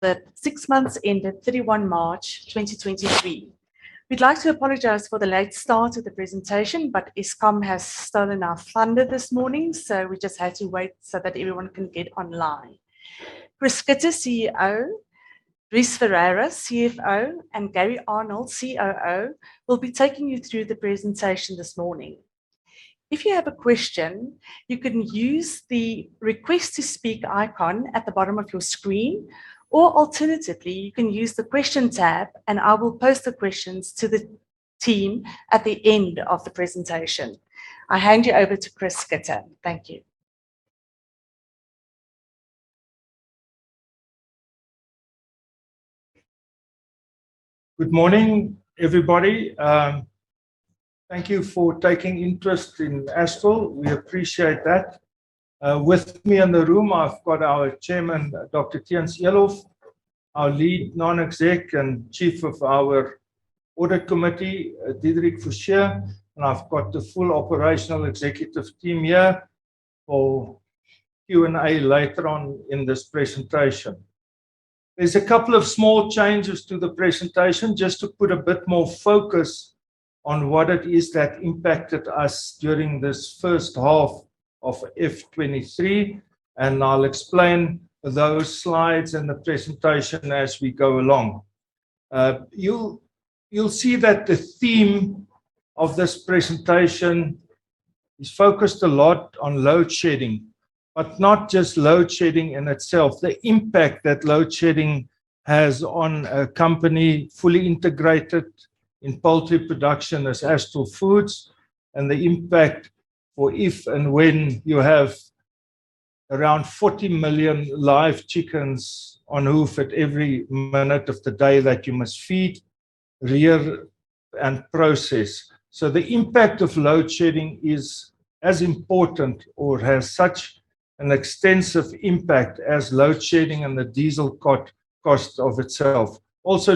The six months ended 31 March 2023. We'd like to apologize for the late start of the presentation. But Eskom has stolen our thunder this morning, so we just had to wait so that everyone can get online. Chris Schutte, CEO, Dries Ferreira, CFO, and Gary Arnold, COO, will be taking you through the presentation this morning. If you have a question, you can use the Request to Speak icon at the bottom of your screen, or alternatively, you can use the Question tab and I will post the questions to the team at the end of the presentation. I hand you over to Chris Schutte. Thank you. Good morning everybody thank you for taking interest in Astral. We appreciate that. With me in the room I've got our Chairman, Dr. Theuns Eloff, our Lead Non-Exec and Chief of our Audit Committee, Diederik Fouché. I've got the full operational executive team here for Q&A later on in this presentation. There's a couple of small changes to the presentation, just to put a bit more focus on what it is that impacted us during this first half of F-23. I'll explain those slides in the presentation as we go along. You'll see that the theme of this presentation is focused a lot on Load Shedding. Not just Load Shedding in itself, the impact that Load Shedding has on a company fully integrated in poultry production as Astral Foods, and the impact for if and when you have around 40 million live chickens on hoof at every minute of the day that you must feed, rear and process. The impact of Load Shedding is as important or has such an extensive impact as Load Shedding and the diesel co-costs of itself.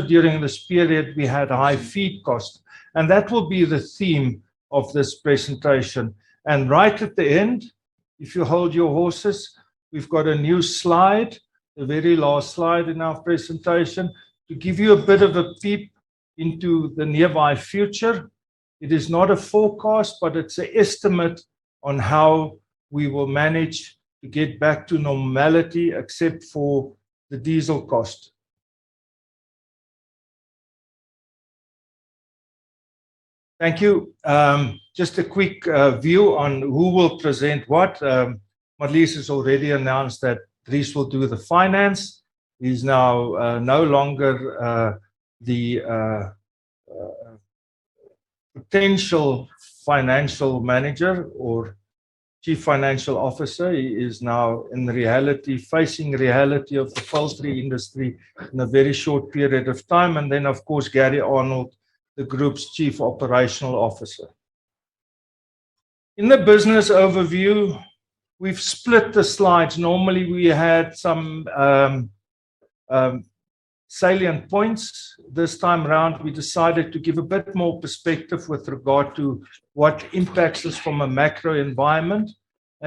During this period, we had high feed costs. That will be the theme of this presentation. Right at the end, if you'll hold your horses, we've got a new slide, the very last slide in our presentation, to give you a bit of a peep into the nearby future. It is not a forecast, but it's an estimate on how we will manage to get back to normality except for the diesel cost. Thank you. Just a quick view on who will present what. Marlize has already announced that Louis will do the finance. He's now no longer the potential financial manager or Chief Financial Officer. He is now in reality, facing reality of the poultry industry in a very short period of time. Then of course, Gary Arnold, the group's Chief Operational Officer. In the business overview, we've split the slides. Normally, we had some salient points. This time round, we decided to give a bit more perspective with regard to what impacts us from a macro environment.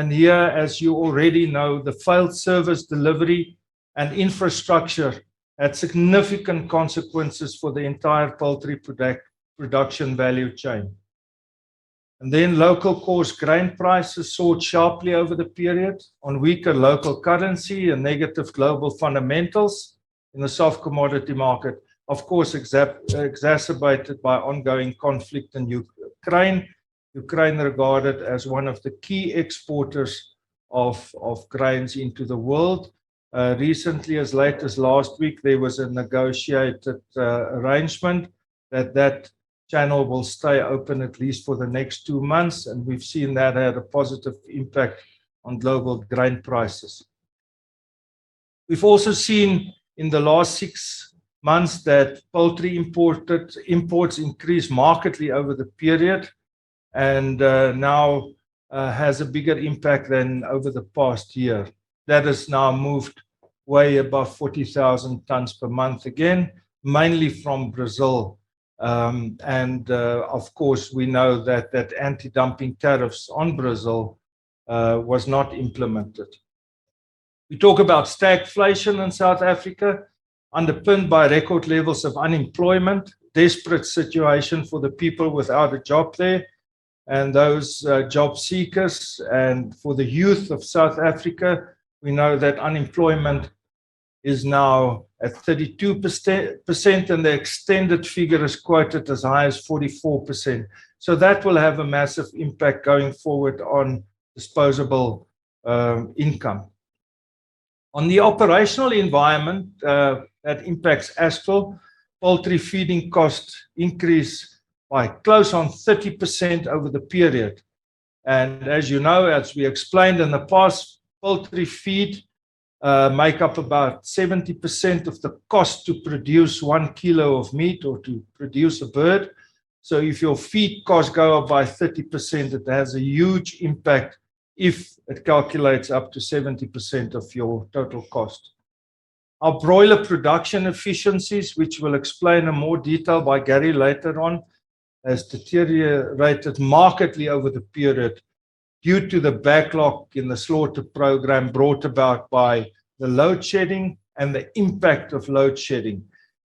Here, as you already know, the failed service delivery and infrastructure had significant consequences for the entire poultry production value chain. Local cost grain prices soared sharply over the period on weaker local currency and negative global fundamentals in the soft commodity market. Of course, exacerbated by ongoing conflict in Ukraine. Ukraine regarded as one of the key exporters of grains into the world. Recently, as late as last week, there was a negotiated arrangement that that channel will stay open at least for the next two months, and we've seen that had a positive impact on global grain prices. We've also seen in the last six months that poultry imports increased markedly over the period and now has a bigger impact than over the past year. That has now moved way above 40,000 tons per month again, mainly from Brazil. Of course, we know that that anti-dumping duties on Brazil was not implemented. We talk about stagflation in South Africa, underpinned by record levels of unemployment. Desperate situation for the people without a job there and those job seekers and for the youth of South Africa. We know that unemployment is now at 32%, and the extended figure is quoted as high as 44%. That will have a massive impact going forward on disposable income. On the operational environment, that impacts Astral, poultry feeding costs increased by close on 30% over the period. As you know, as we explained in the past, poultry feed make up about 70% of the cost to produce 1 kg of meat or to produce a bird. If your feed costs go up by 30%, it has a huge impact. If it calculates up to 70% of your total cost. Our broiler production efficiencies, which we'll explain in more detail by Gary later on, has deteriorated markedly over the period due to the backlog in the slaughter program brought about by the Load Shedding and the impact of Load Shedding.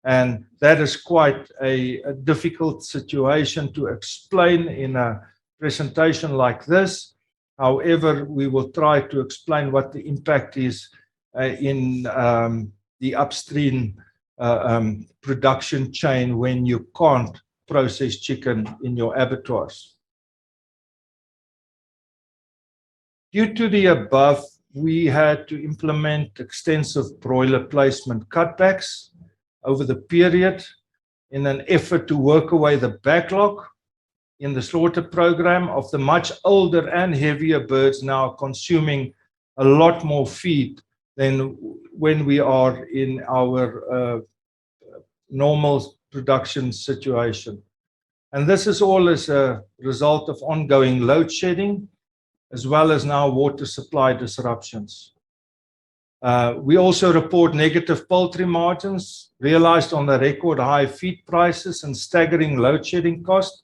That is quite a difficult situation to explain in a presentation like this. However, we will try to explain what the impact is in the upstream production chain when you can't process chicken in your abattoirs. Due to the above, we had to implement extensive broiler placement cutbacks over the period in an effort to work away the backlog in the slaughter program of the much older and heavier birds now consuming a lot more feed than when we are in our normal production situation. This is all as a result of ongoing Load Shedding as well as now water supply disruptions. We also report negative poultry margins realized on the record high feed prices and staggering Load Shedding costs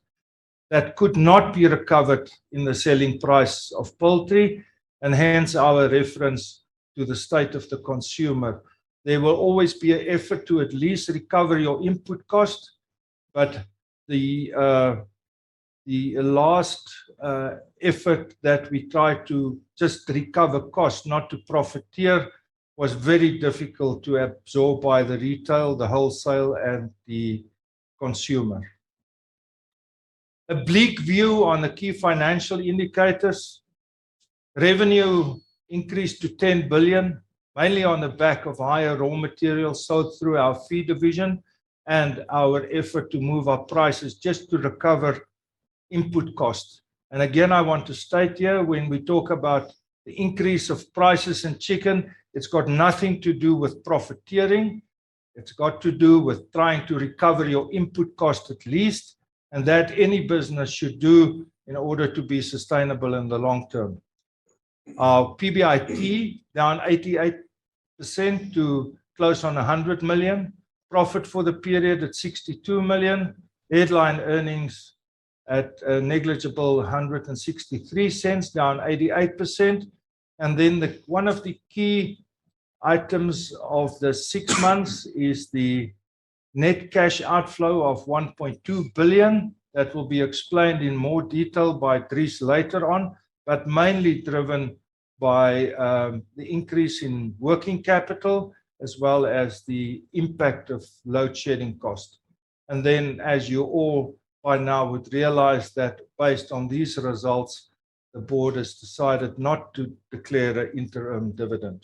that could not be recovered in the selling price of poultry, and hence our reference to the state of the consumer. There will always be an effort to at least recover your input cost, the last effort that we try to just recover cost, not to profiteer was very difficult to absorb by the retail, the wholesale, and the consumer. A bleak view on the key financial indicators. Revenue increased to 10 billion, mainly on the back of higher raw materials sold through our feed division and our effort to move up prices just to recover input costs. Again, I want to state here when we talk about the increase of prices in chicken, it's got nothing to do with profiteering. It's got to do with trying to recover your input cost at least, and that any business should do in order to be sustainable in the long term. Our PBIT down 88% to close on 100 million. Profit for the period at 62 million. Headline Earnings at a negligible 1.63, down 88%. One of the key items of the six months is the Net Cash Outflow of 1.2 billion. That will be explained in more detail by Dries later on, but mainly driven by the increase in working capital as well as the impact of Load Shedding cost. As you all by now would realize that based on these results, the board has decided not to declare an interim dividend.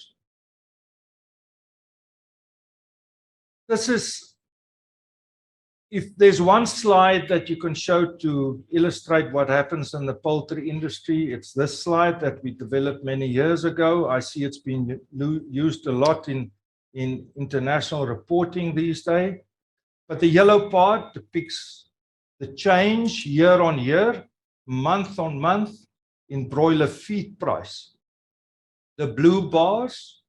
If there's one slide that you can show to illustrate what happens in the poultry industry, it's this slide that we developed many years ago. I see it's been used a lot in international reporting these days. The yellow part depicts the change year-over-year, month-over-month in broiler feed price. The blue bars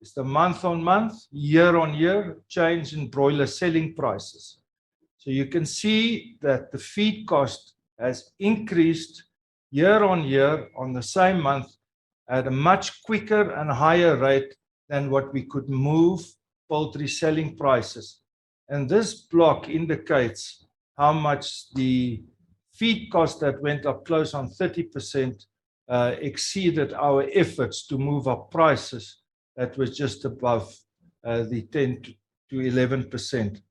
is the month-over-month, year-over-year change in broiler selling prices. You can see that the feed cost has increased year-over-year on the same month at a much quicker and higher rate than what we could move poultry selling prices. This block indicates how much the feed cost that went up close on 30%, exceeded our efforts to move up prices that was just above the 10%-11%.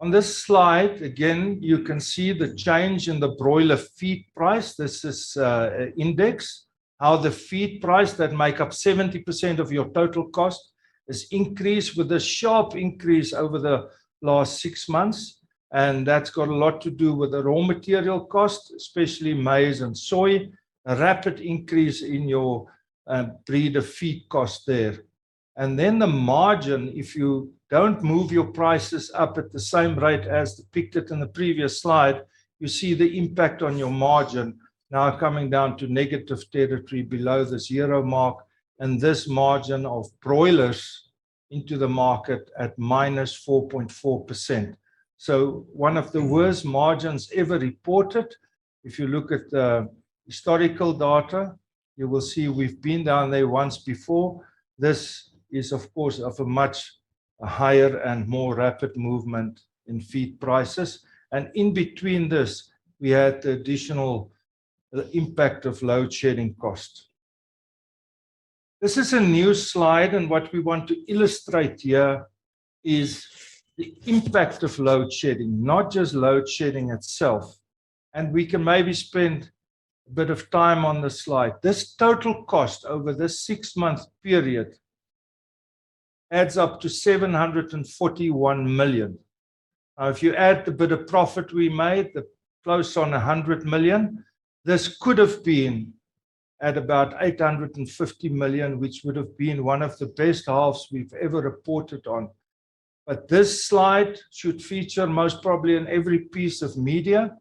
On this slide, again, you can see the change in the broiler feed price. This is a index, how the feed price that make up 70% of your total cost is increased with a sharp increase over the last six months. That's got a lot to do with the raw material cost, especially maize and soy. A rapid increase in your breeder feed cost there. The margin, if you don't move your prices up at the same rate as depicted in the previous slide, you see the impact on your margin now coming down to negative territory below the zero mark, and this margin of broilers into the market at minus 4.4%. One of the worst margins ever reported. If you look at the historical data, you will see we've been down there once before. This is of course of a much higher and more rapid movement in feed prices. In between this, we had additional impact of Load Shedding costs. This is a new slide, what we want to illustrate here is the impact of Load Shedding, not just Load Shedding itself. We can maybe spend a bit of time on this slide. This total cost over this six-month period adds up to 741 million. Now, if you add the bit of profit we made, the close on 100 million, this could have been at about 850 million, which would have been one of the best halves we've ever reported on. This slide should feature most probably in every piece of media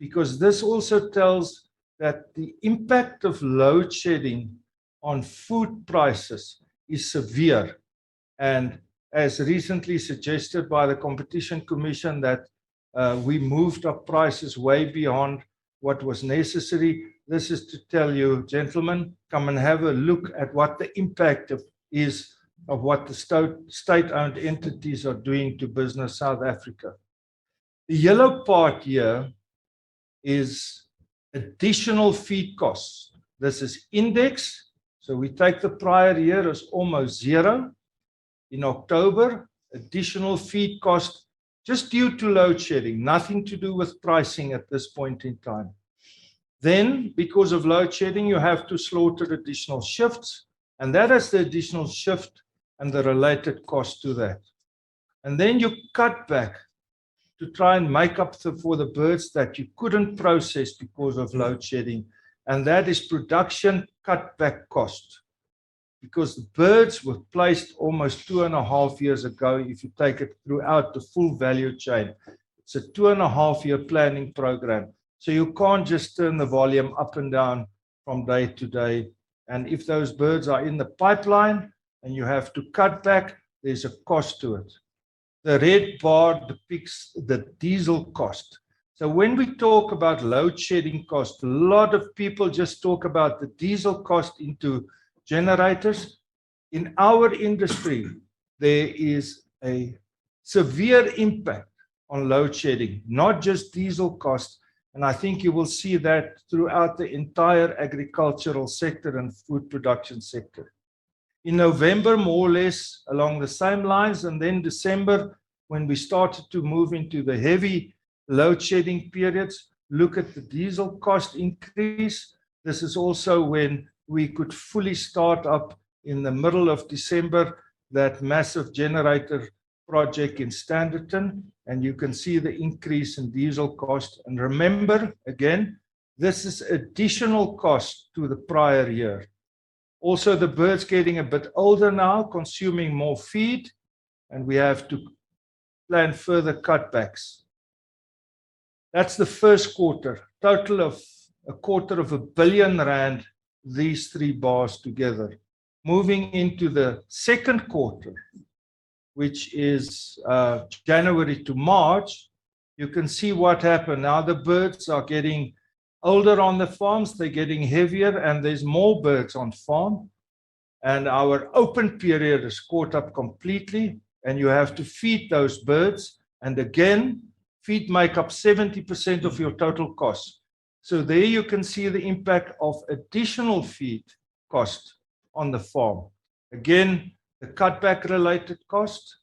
because this also tells that the impact of Load Shedding on food prices is severe. As recently suggested by the Competition Commission that we moved up prices way beyond what was necessary. This is to tell you gentlemen, come and have a look at what the impact of what the state-owned entities are doing to business South Africa. The yellow part here is additional feed costs. This is index. We take the prior year as almost zero. In October, additional feed cost just due to Load Shedding, nothing to do with pricing at this point in time. Because of Load Shedding, you have to slaughter additional shifts, and that is the additional shift and the related cost to that. You cut back to try and make up for the birds that you couldn't process because of Load Shedding, and that is production cutback cost. The birds were placed almost two and a half years ago. If you take it throughout the full value chain, it's a two-and-a-half year planning program. You can't just turn the volume up and down from day to day. If those birds are in the pipeline and you have to cut back, there's a cost to it. The red bar depicts the diesel cost. When we talk about Load Shedding cost, a lot of people just talk about the diesel cost into generators. In our industry, there is a severe impact on Load Shedding, not just diesel cost, and I think you will see that throughout the entire agricultural sector and food production sector. In November, more or less along the same lines, December, when we started to move into the heavy Load Shedding periods, look at the diesel cost increase. This is also when we could fully start up in the middle of December, that massive generator project in Standerton, and you can see the increase in diesel cost. Remember, again, this is additional cost to the prior year. Also, the birds getting a bit older now, consuming more feed, and we have to plan further cutbacks. That's the first quarter. Total of a quarter of a billion rand, these three bars together. Moving into the second quarter, which is January to March. You can see what happened. Now the birds are getting older on the farms, they're getting heavier, and there's more birds on farm. Our open period is caught up completely, and you have to feed those birds. Again, feed make up 70% of your total cost. There you can see the impact of additional feed cost on the farm. Again, the cutback related cost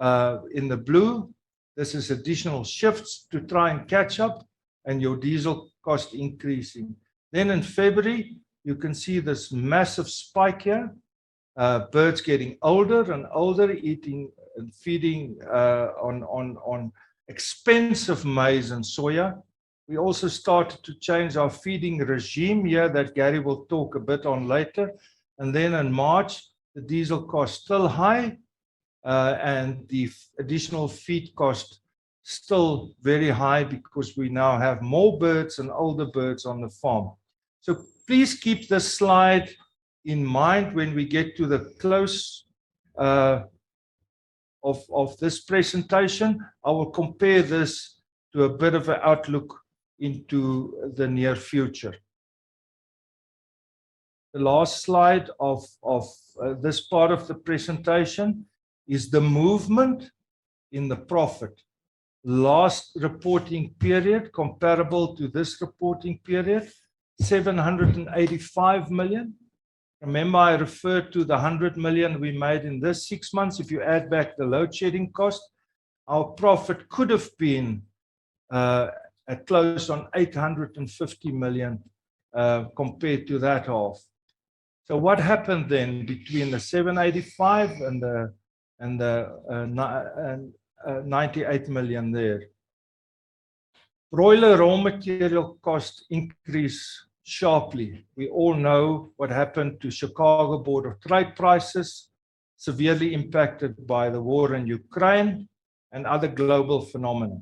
in the blue. This is additional shifts to try and catch up and your diesel cost increasing. In February, you can see this massive spike here. Birds getting older and older, eating and feeding on expensive maize and soya. We also started to change our feeding regime here that Gary will talk a bit on later. In March, the diesel cost still high, and the additional feed cost still very high because we now have more birds and older birds on the farm. Please keep this slide in mind when we get to the close of this presentation. I will compare this to a bit of an outlook into the near future. The last slide of this part of the presentation is the movement in the profit. Last reporting period comparable to this reporting period, 785 million. Remember I referred to the 100 million we made in this six months. If you add back the Load Shedding cost, our profit could have been at close on ZAR 850 million compared to that half. What happened then between the 785 and the 98 million there? Broiler raw material cost increased sharply. We all know what happened to Chicago Board of Trade prices, severely impacted by the war in Ukraine and other global phenomena.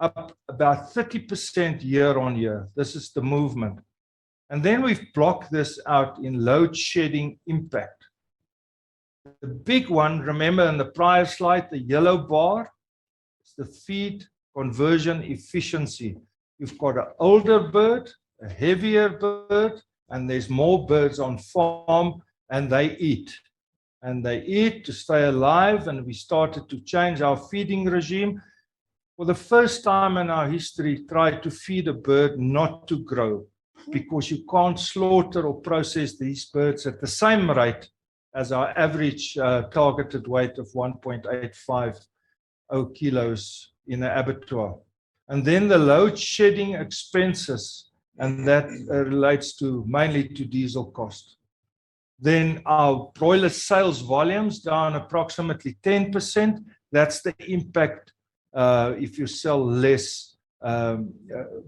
Up about 30% year-on-year. This is the movement. We've blocked this out in Load Shedding impact. The big one, remember in the prior slide, the yellow bar? It's the Feed Conversion Efficiency. You've got an older bird, a heavier bird, and there's more birds on farm, and they eat. They eat to stay alive. We started to change our feeding regime. For the first time in our history, tried to feed a bird not to grow because you can't slaughter or process these birds at the same rate as our average targeted weight of 1.850 kl in the abattoir. The Load Shedding expenses and that relates to mainly to diesel cost. Our broiler sales volumes down approximately 10%. That's the impact. If you sell less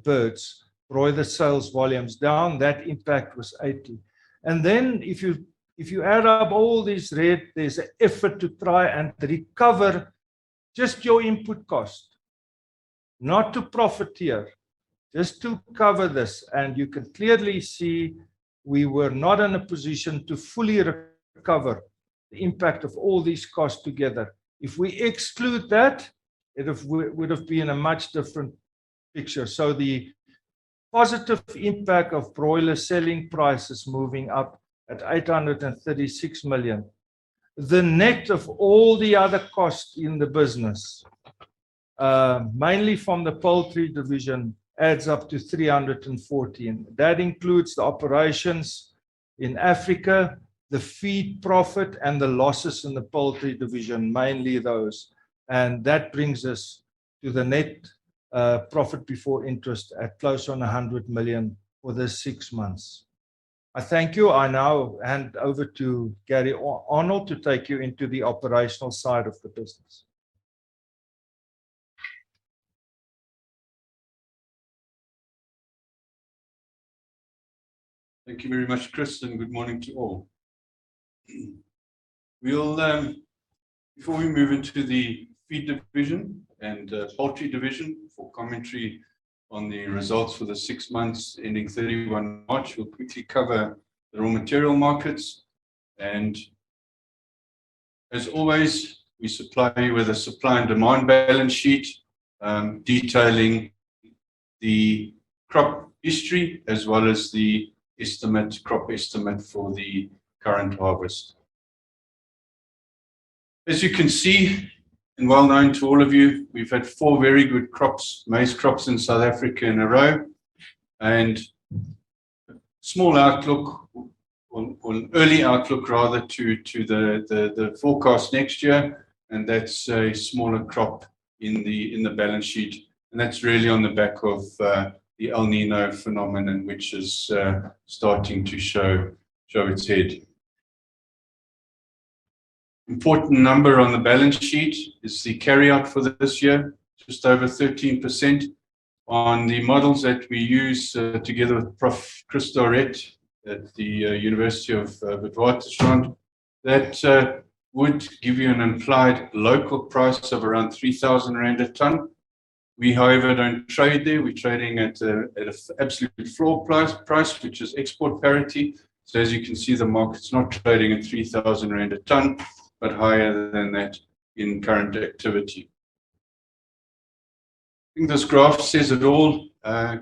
birds, broiler sales volumes down, that impact was 80. If you add up all this red, there's an effort to try and recover just your input cost. Not to profiteer, just to cover this. You can clearly see we were not in a position to fully recover the impact of all these costs together. If we exclude that, it would have been a much different picture. The positive impact of broiler selling prices moving up at 836 million. The net of all the other costs in the business, mainly from the poultry division, adds up to 314 million. That includes the operations in Africa, the feed profit and the losses in the poultry division, mainly those. That brings us to the net profit before interest at close on 100 million for the six months. I thank you. I now hand over to Gary Arnold to take you into the operational side of the business. Thank you very much Chris good morning to all. We'll, before we move into the feed division and poultry division for commentary on the results for the six months ending 31 March, we'll quickly cover the raw material markets. As always, we supply you with a supply and demand balance sheet, detailing the crop history as well as the estimate, crop estimate for the current harvest. As you can see, and well known to all of you, we've had four very good crops, maize crops in South Africa in a row. Small outlook on early outlook rather to the forecast next year. That's a smaller crop in the balance sheet. That's really on the back of the El Niño phenomenon, which is starting to show its head. Important number on the balance sheet is the carryout for this year, just over 13%. On the models that we use, together with Prof Christo Auret at the University of the Witwatersrand, that would give you an implied local price of around 3,000 rand a ton. We however, don't trade there. We're trading at a absolutely floor price, which is export parity. As you can see, the market's not trading at 3,000 rand a ton, but higher than that in current activity. I think this graph says it all.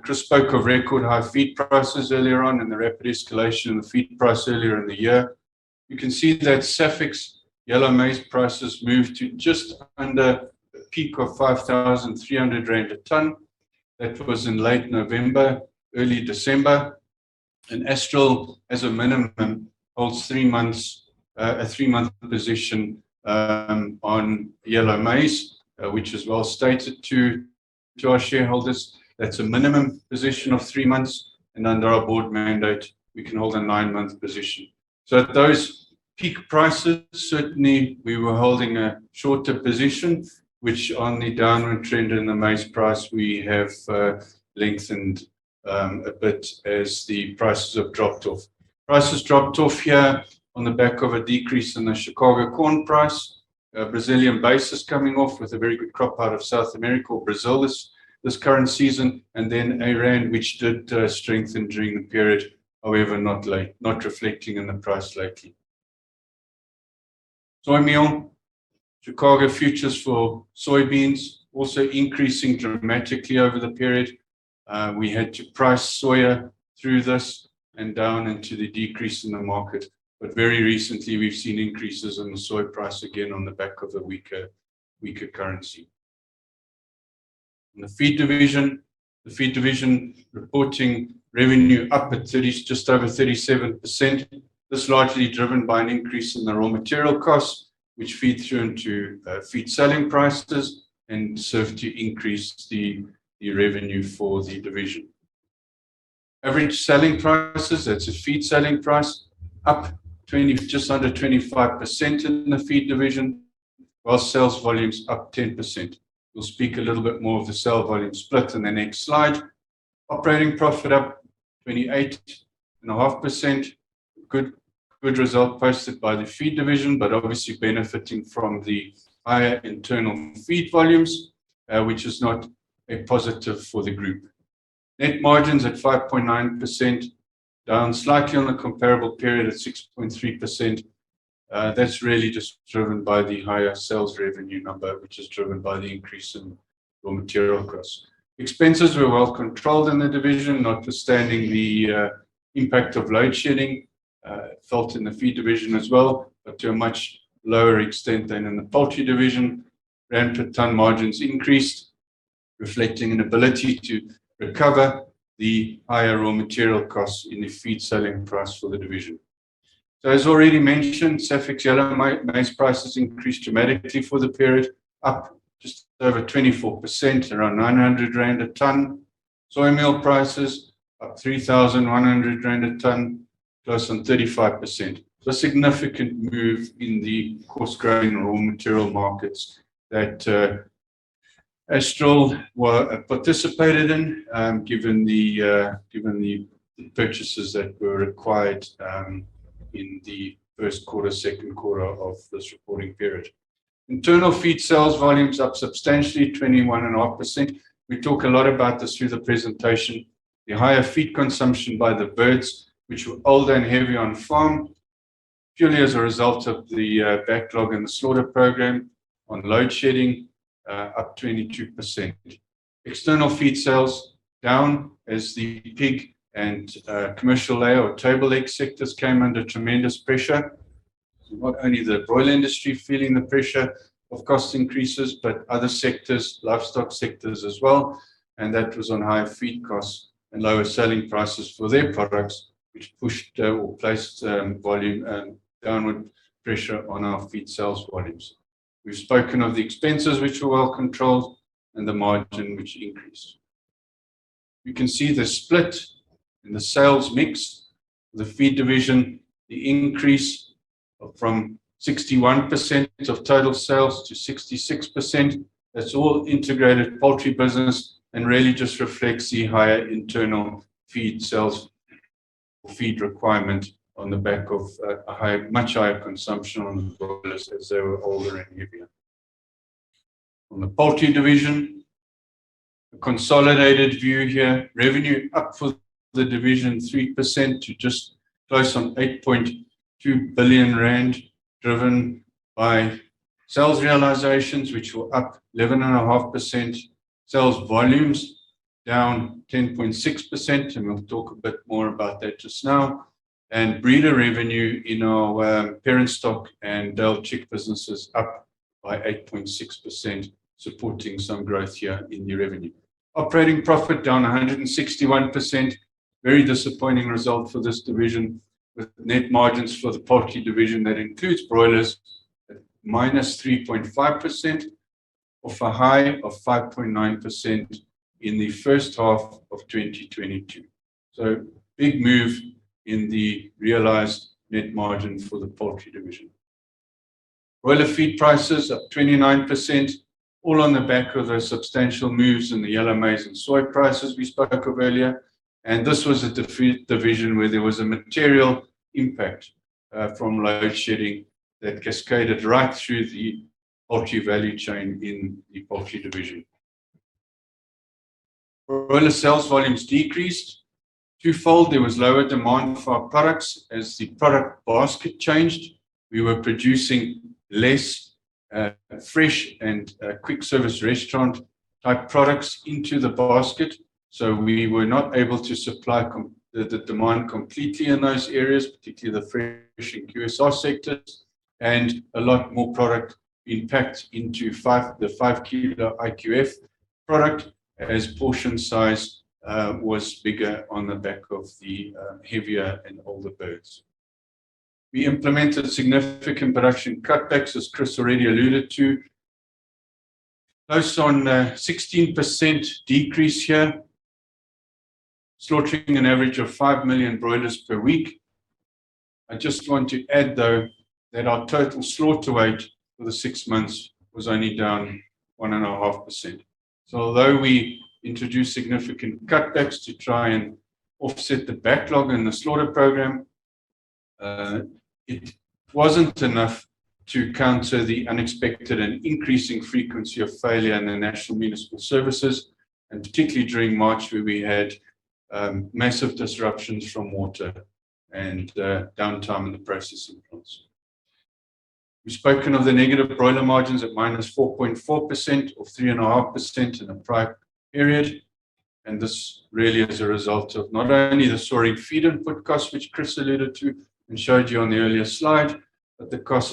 Chris spoke of record high feed prices earlier on and the rapid escalation in the feed price earlier in the year. You can see that SAFEX Yellow Maize Prices moved to just under a peak of 5,300 rand a ton. That was in late November, early December. Astral, as a minimum, holds three months, a three-month position on yellow maize, which is well stated to our shareholders. That's a minimum position of three months. Under our board mandate, we can hold a nine-month position. At those peak prices, certainly we were holding a shorter position, which on the downward trend in the maize price we have lengthened a bit as the prices have dropped off. Prices dropped off here on the back of a decrease in the Chicago corn price. A Brazilian basis coming off with a very good crop out of South America or Brazil this current season. A rand which did strengthen during the period, however, not reflecting in the price likely Soymeal. Chicago futures for soybeans also increasing dramatically over the period. We had to price soya through this and down into the decrease in the market. Very recently we've seen increases in the soy price again on the back of a weaker currency. In the feed division, the feed division reporting revenue up at just over 37%. This largely driven by an increase in the raw material cost, which feeds through into feed selling prices and serve to increase the revenue for the division. Average selling prices, that's a feed selling price, up just under 25% in the feed division, while sales volume's up 10%. We'll speak a little bit more of the sale volume split in the next slide. Operating profit up 28.5%. Good result posted by the feed division, obviously benefiting from the higher internal feed volumes, which is not a positive for the group. Net margins at 5.9%, down slightly on a comparable period at 6.3%. That's really just driven by the higher sales revenue number, which is driven by the increase in raw material costs. Expenses were well controlled in the division, notwithstanding the impact of Load Shedding felt in the feed division as well, to a much lower extent than in the poultry division. Rand to ton margins increased, reflecting an ability to recover the higher raw material costs in the feed selling price for the division. As already mentioned, SAFEX Yellow Maize Prices increased dramatically for the period, up just over 24%, around 900 rand a ton. Soymeal prices up 3,100 rand a ton, close on 35%. It's a significant move in the coarse grain raw material markets that Astral participated in, given the, given the purchases that were required in the first quarter, second quarter of this reporting period. Internal feed sales volumes up substantially, 21.5%. We talk a lot about this through the presentation. The higher feed consumption by the birds, which were older and heavier on farm, purely as a result of the backlog in the slaughter program on Load Shedding, up 22%. External feed sales down as the pig and commercial layer or table egg sectors came under tremendous pressure. Not only the broiler industry feeling the pressure of cost increases, but other sectors, livestock sectors as well, and that was on higher feed costs and lower selling prices for their products, which pushed or placed volume and downward pressure on our feed sales volumes. We've spoken of the expenses which were well controlled and the margin which increased. You can see the split in the sales mix. The feed division, the increase from 61% of total sales to 66%. That's all integrated poultry business and really just reflects the higher internal feed sales or feed requirement on the back of a much higher consumption on the broilers as they were older and heavier. On the poultry division, a consolidated view here. Revenue up for the division 3% to just close on 8.2 billion rand, driven by sales realizations, which were up 11.5%. Sales volumes down 10.6%. We'll talk a bit more about that just now. Breeder revenue in our parent stock and day-old chick businesses up by 8.6%, supporting some growth here in the revenue. Operating profit down 161%. Very disappointing result for this division with net margins for the poultry division that includes broilers at -3.5% off a high of 5.9% in the first half of 2022. Big move in the realized net margin for the poultry division. Broiler feed prices up 29%, all on the back of those substantial moves in the yellow maize and soy prices we spoke of earlier. This was a division where there was a material impact from Load Shedding that cascaded right through the poultry value chain in the poultry division. Broiler sales volumes decreased twofold. There was lower demand for our products as the product basket changed. We were producing less fresh and quick service restaurant type products into the basket. We were not able to supply the demand completely in those areas, particularly the fresh and QSR sectors. A lot more product impact into five, the 5 kg IQF product as portion size was bigger on the back of the heavier and older birds. We implemented significant production cutbacks, as Chris already alluded to. Close on a 16% decrease here, slaughtering an average of 5 million broilers per week. I just want to add, though, that our total slaughter weight for the six months was only down 1.5%. Although we introduced significant cutbacks to try and offset the backlog in the slaughter program, it wasn't enough to counter the unexpected and increasing frequency of failure in the national municipal services, particularly during March, where we had massive disruptions from water and downtime in the processing plants. We've spoken of the negative broiler margins at -4.4% or 3.5% in the prior period. This really is a result of not only the soaring feed input costs, which Chris alluded to and showed you on the earlier slide, but the costs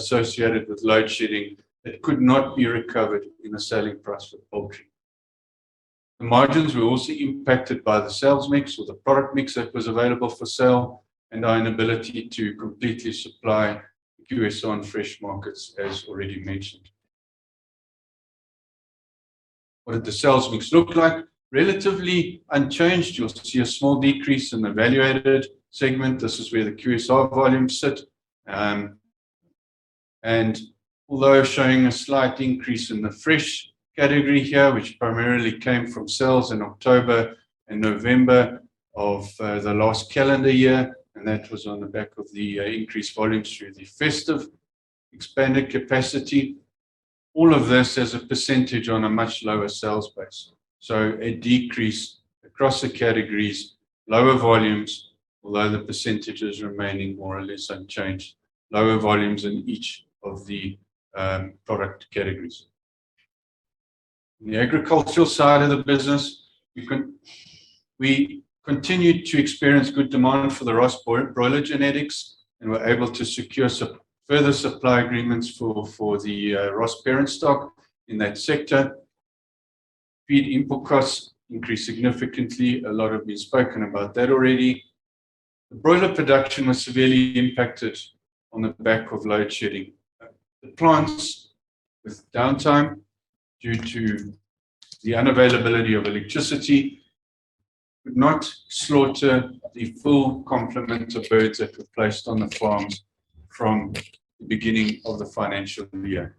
associated with Load Shedding that could not be recovered in the selling price for poultry. The margins were also impacted by the sales mix or the product mix that was available for sale and our inability to completely supply QSR and fresh markets, as already mentioned. What did the sales mix look like? Relatively unchanged. You'll see a small decrease in the evaluated segment. This is where the QSR volumes sit. Although showing a slight increase in the fresh category here, which primarily came from sales in October and November of the last calendar year, that was on the back of the increased volumes through the Festive expanded capacity. All of this as a percentage on a much lower sales base. A decrease across the categories, lower volumes, although the percentages remaining more or less unchanged. Lower volumes in each of the product categories. On the agricultural side of the business, we continued to experience good demand for the Ross broiler genetics and were able to secure further supply agreements for the Ross parent stock in that sector. Feed input costs increased significantly. A lot has been spoken about that already. Broiler production was severely impacted on the back of Load Shedding. The plants with downtime due to the unavailability of electricity could not slaughter the full complement of birds that were placed on the farms from the beginning of the financial year.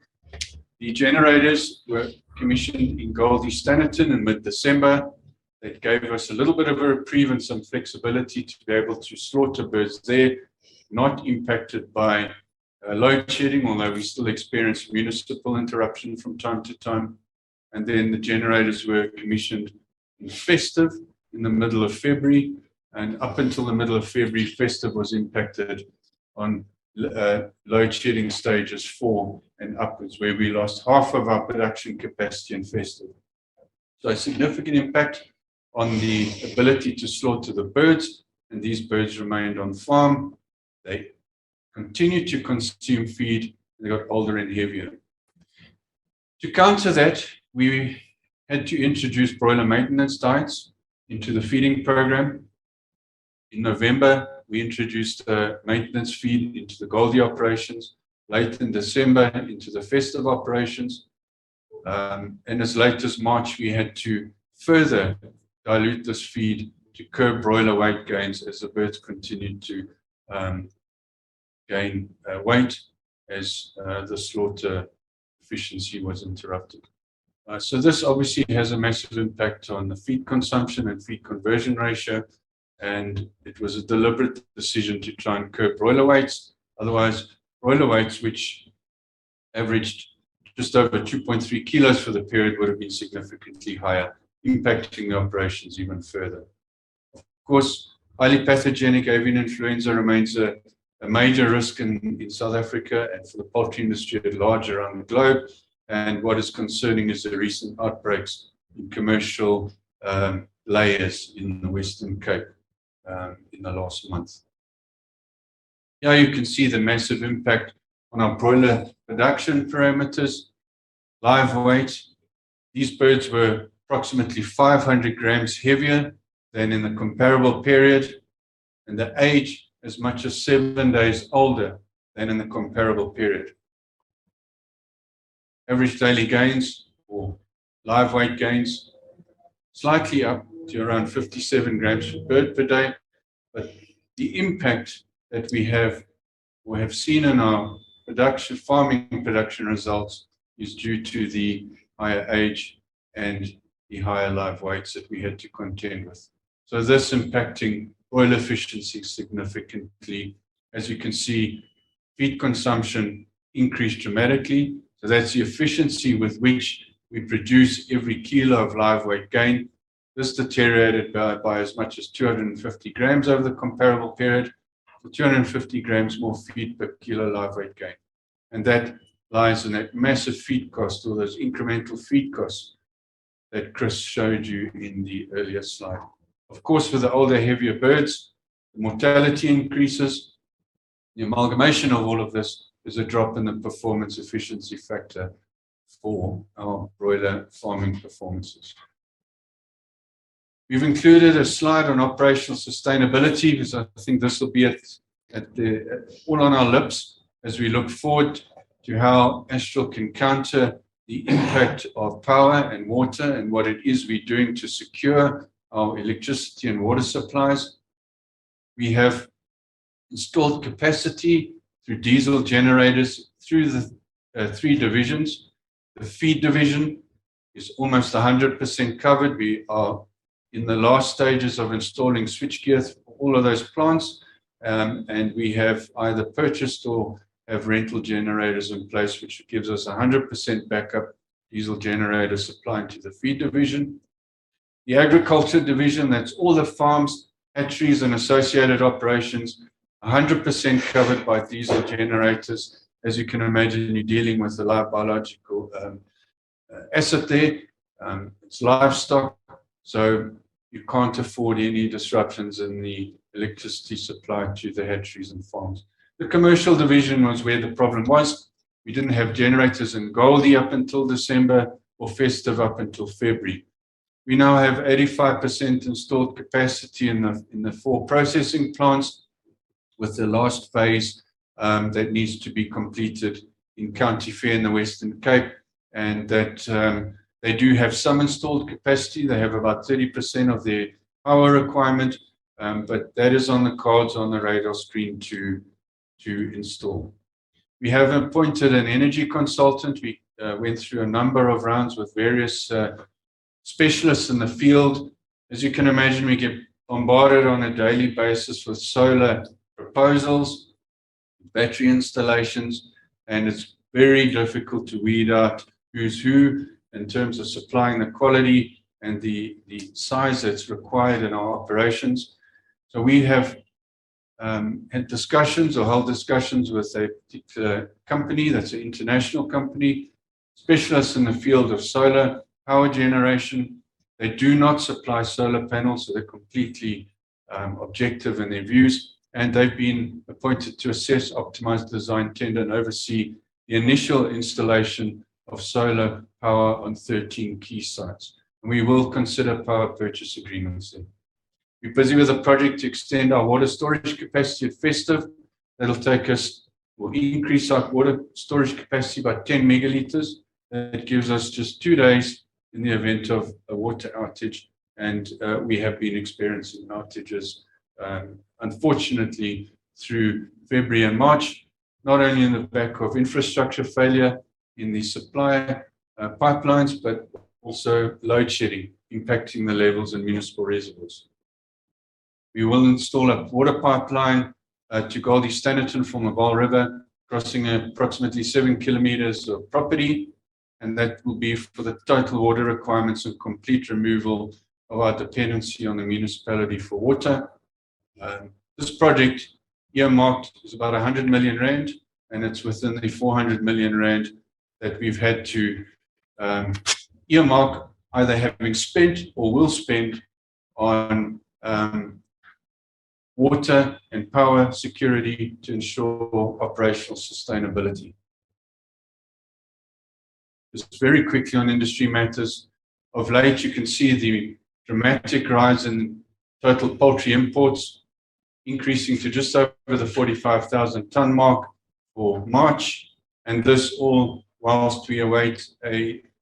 The generators were commissioned in Goldi Standerton in mid-December. The generators gave us a little bit of a reprieve and some flexibility to be able to slaughter birds there not impacted by Load Shedding, although we still experience municipal interruption from time to time. The generators were commissioned in Festive in the middle of February, and up until the middle of February, Festive was impacted on Load Shedding stages four and upwards, where we lost half of our production capacity in Festive. A significant impact on the ability to slaughter the birds. These birds remained on farm. They continued to consume feed. They got older and heavier. To counter that, we had to introduce broiler maintenance diets into the feeding program. In November, we introduced a maintenance feed into the Goldi operations, late in December into the Festive operations. As late as March, we had to further dilute this feed to curb broiler weight gains as the birds continued to gain weight as the slaughter efficiency was interrupted. This obviously has a massive impact on the feed consumption and feed conversion ratio, and it was a deliberate decision to try and curb broiler weights. Broiler weights, which averaged just over 2.3 kg for the period, would have been significantly higher, impacting operations even further. Highly Pathogenic Avian Influenza remains a major risk in South Africa and for the poultry industry at large around the globe. What is concerning is the recent outbreaks in commercial layers in the Western Cape in the last month. Here you can see the massive impact on our broiler production parameters. Live weight. These birds were approximately 500 grams heavier than in the comparable period, and the age as much as 7 days older than in the comparable period. Average daily gains or live weight gains, slightly up to around 57 grams per bird per day. The impact that we have seen in our production, farming production results is due to the higher age and the higher live weights that we had to contend with. This impacting broiler efficiency significantly. As you can see, feed consumption increased dramatically. That's the efficiency with which we produce every kilo of live weight gain. This deteriorated by as much as 250 grams over the comparable period. 250 grams more feed per kilo live weight gain. That lies in that massive feed cost or those incremental feed costs that Chris showed you in the earlier slide. Of course, with the older, heavier birds, mortality increases. The amalgamation of all of this is a drop in the Performance Efficiency Factor for our broiler farming performances. We've included a slide on operational sustainability because I think this will be all on our lips as we look forward to how Astral can counter the impact of power and water and what it is we're doing to secure our electricity and water supplies. We have installed capacity through diesel generators through the 3 divisions. The feed division is almost 100% covered. We are in the last stages of installing switchgear for all of those plants. We have either purchased or have rental generators in place, which gives us 100% backup diesel generator supplying to the feed division. The agriculture division, that's all the farms, hatcheries, and associated operations, 100% covered by diesel generators. As you can imagine, you're dealing with a live biological asset there. It's livestock, you can't afford any disruptions in the electricity supply to the hatcheries and farms. The commercial division was where the problem was. We didn't have generators in Goldi up until December or Festive up until February. We now have 85% installed capacity in the four processing plants with the last phase that needs to be completed in County Fair in the Western Cape, and that they do have some installed capacity. They have about 30% of their power requirement, but that is on the cards on the radar screen to install. We have appointed an energy consultant. We went through a number of rounds with various specialists in the field. As you can imagine, we get bombarded on a daily basis with solar proposals, battery installations, and it's very difficult to weed out who's who in terms of supplying the quality and the size that's required in our operations. We have had discussions or held discussions with a particular company that's an international company, specialists in the field of solar power generation. They do not supply solar panels, so they're completely objective in their views, they've been appointed to assess, optimize, design, tender, and oversee the initial installation of solar power on 13 key sites. We will consider power purchase agreements there. We're busy with a project to extend our water storage capacity at Festive. We'll increase our water storage capacity by 10 ML. That gives us just two days in the event of a water outage. We have been experiencing outages, unfortunately through February and March, not only in the back of infrastructure failure in the supply, pipelines, but also Load Shedding impacting the levels in municipal reservoirs. We will install a water pipeline to Goldi Standerton from the Vaal River, crossing approximately 7 km of property, and that will be for the total water requirements and complete removal of our dependency on the municipality for water. This project earmarked is about 100 million rand, and it's within the 400 million rand that we've had to earmark either having spent or will spend on water and power security to ensure operational sustainability. Just very quickly on industry matters. Of late, you can see the dramatic rise in total poultry imports increasing to just over the 45,000 ton mark for March. This all whilst we await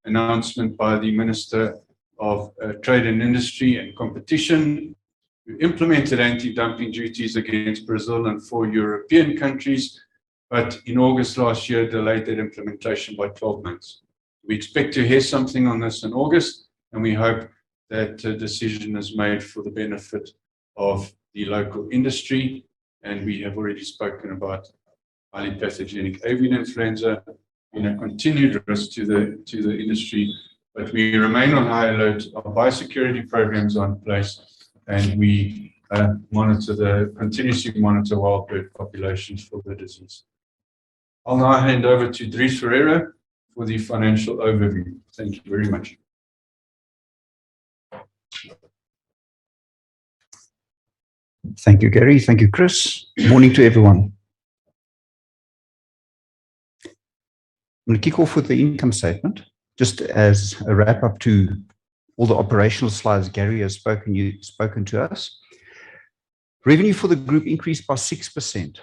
an announcement by the Minister of Trade, Industry and Competition. We implemented anti-dumping duties against Brazil and four European countries, but in August last year delayed that implementation by 12 months. We expect to hear something on this in August, and we hope that a decision is made for the benefit of the local industry, and we have already spoken about Highly Pathogenic Avian Influenza in a continued risk to the industry. We remain on high alert. Our biosecurity program is in place, and we continuously monitor wild bird populations for the disease. I'll now hand over to Dries Ferreira for the financial overview. Thank you very much. Thank you Gary thank you Chris Morning to everyone. I'm gonna kick off with the income statement. Just as a wrap-up to all the operational slides Gary has spoken to us. Revenue for the group increased by 6%.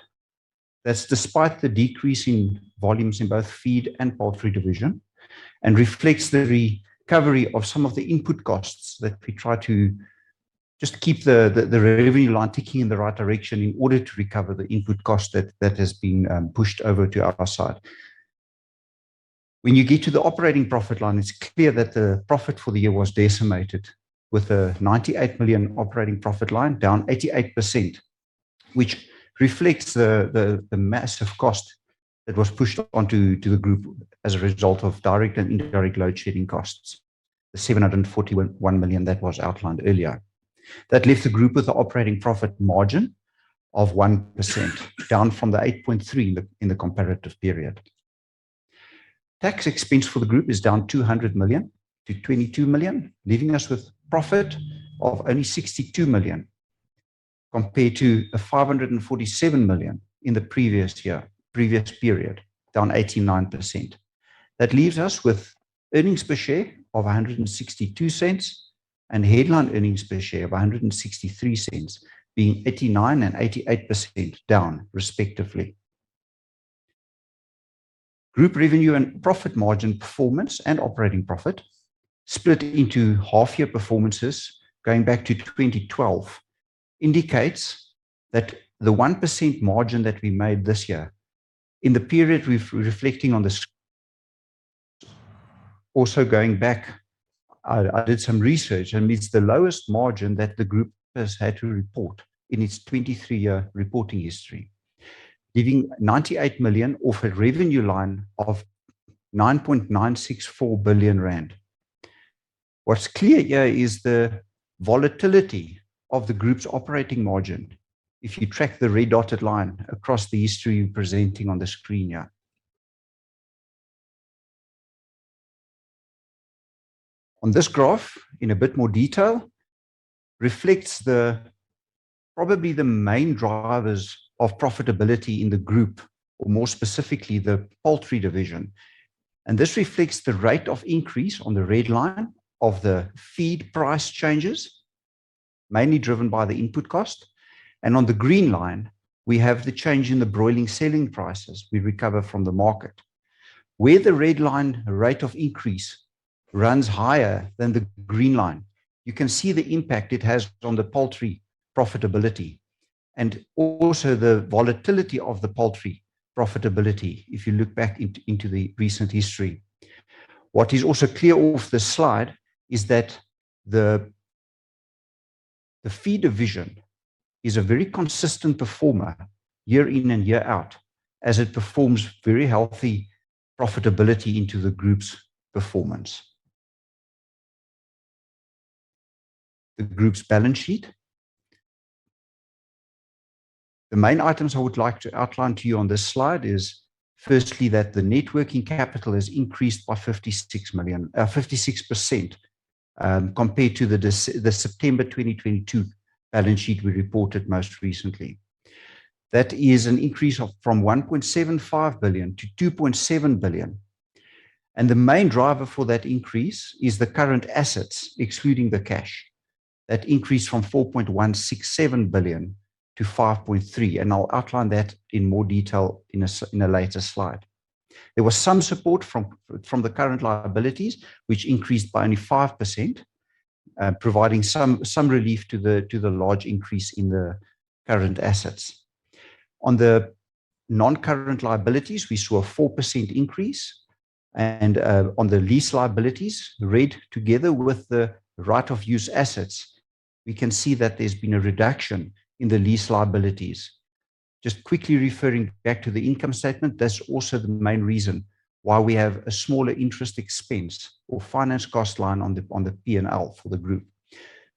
That's despite the decrease in volumes in both Feed and Poultry division, and reflects the recovery of some of the input costs that we try to just keep the revenue line ticking in the right direction in order to recover the input cost that has been pushed over to our side. When you get to the operating profit line, it's clear that the profit for the year was decimated with a 98 million operating profit line, down 88%, which reflects the massive cost that was pushed onto the group as a result of direct and indirect Load Shedding costs, the 741 million that was outlined earlier. Left the group with an Operating Profit Margin of 1%, down from the 8.3% in the comparative period. Tax expense for the group is down 200 million to 22 million, leaving us with profit of only 62 million compared to the 547 million in the previous year, previous period, down 89%. That leaves us with earnings per share of 1.62 and Headline Earnings Per Share of 1.63, being 89% and 88% down respectively. Group revenue and profit margin performance and operating profit split into half-year performances going back to 2012 indicates that the 1% margin that we made this year. In the period we're reflecting on. Also going back, I did some research, and it's the lowest margin that the Group has had to report in its 23-year reporting history. Leaving 98 million off a revenue line of 9.964 billion rand. What's clear here is the volatility of the Group's operating margin if you track the red dotted line across the history presenting on the screen here. On this graph, in a bit more detail, reflects the probably the main drivers of profitability in the group, or more specifically the Poultry division. This reflects the rate of increase on the red line of the feed price changes, mainly driven by the input cost. On the green line we have the change in the broiling selling prices we recover from the market. Where the red line rate of increase runs higher than the green line, you can see the impact it has on the poultry profitability and also the volatility of the poultry profitability if you look back into the recent history. What is also clear off this slide is that the Feed division is a very consistent performer year in and year out as it performs very healthy profitability into the group's performance. The group's balance sheet. The main items I would like to outline to you on this slide is firstly that the net working capital has increased by 56%, compared to the September 2022 balance sheet we reported most recently. That is an increase of from 1.75 billion to 2.7 billion. The main driver for that increase is the current assets, excluding the cash. That increased from 4.167 billion to 5.3 billion, and I'll outline that in more detail in a later slide. There was some support from the current liabilities, which increased by only 5%, providing some relief to the large increase in the current assets. On the non-current liabilities, we saw a 4% increase. On the lease liabilities, the rate together with the right of use assets, we can see that there's been a reduction in the lease liabilities. Just quickly referring back to the income statement, that's also the main reason why we have a smaller interest expense or finance cost line on the P&L for the group.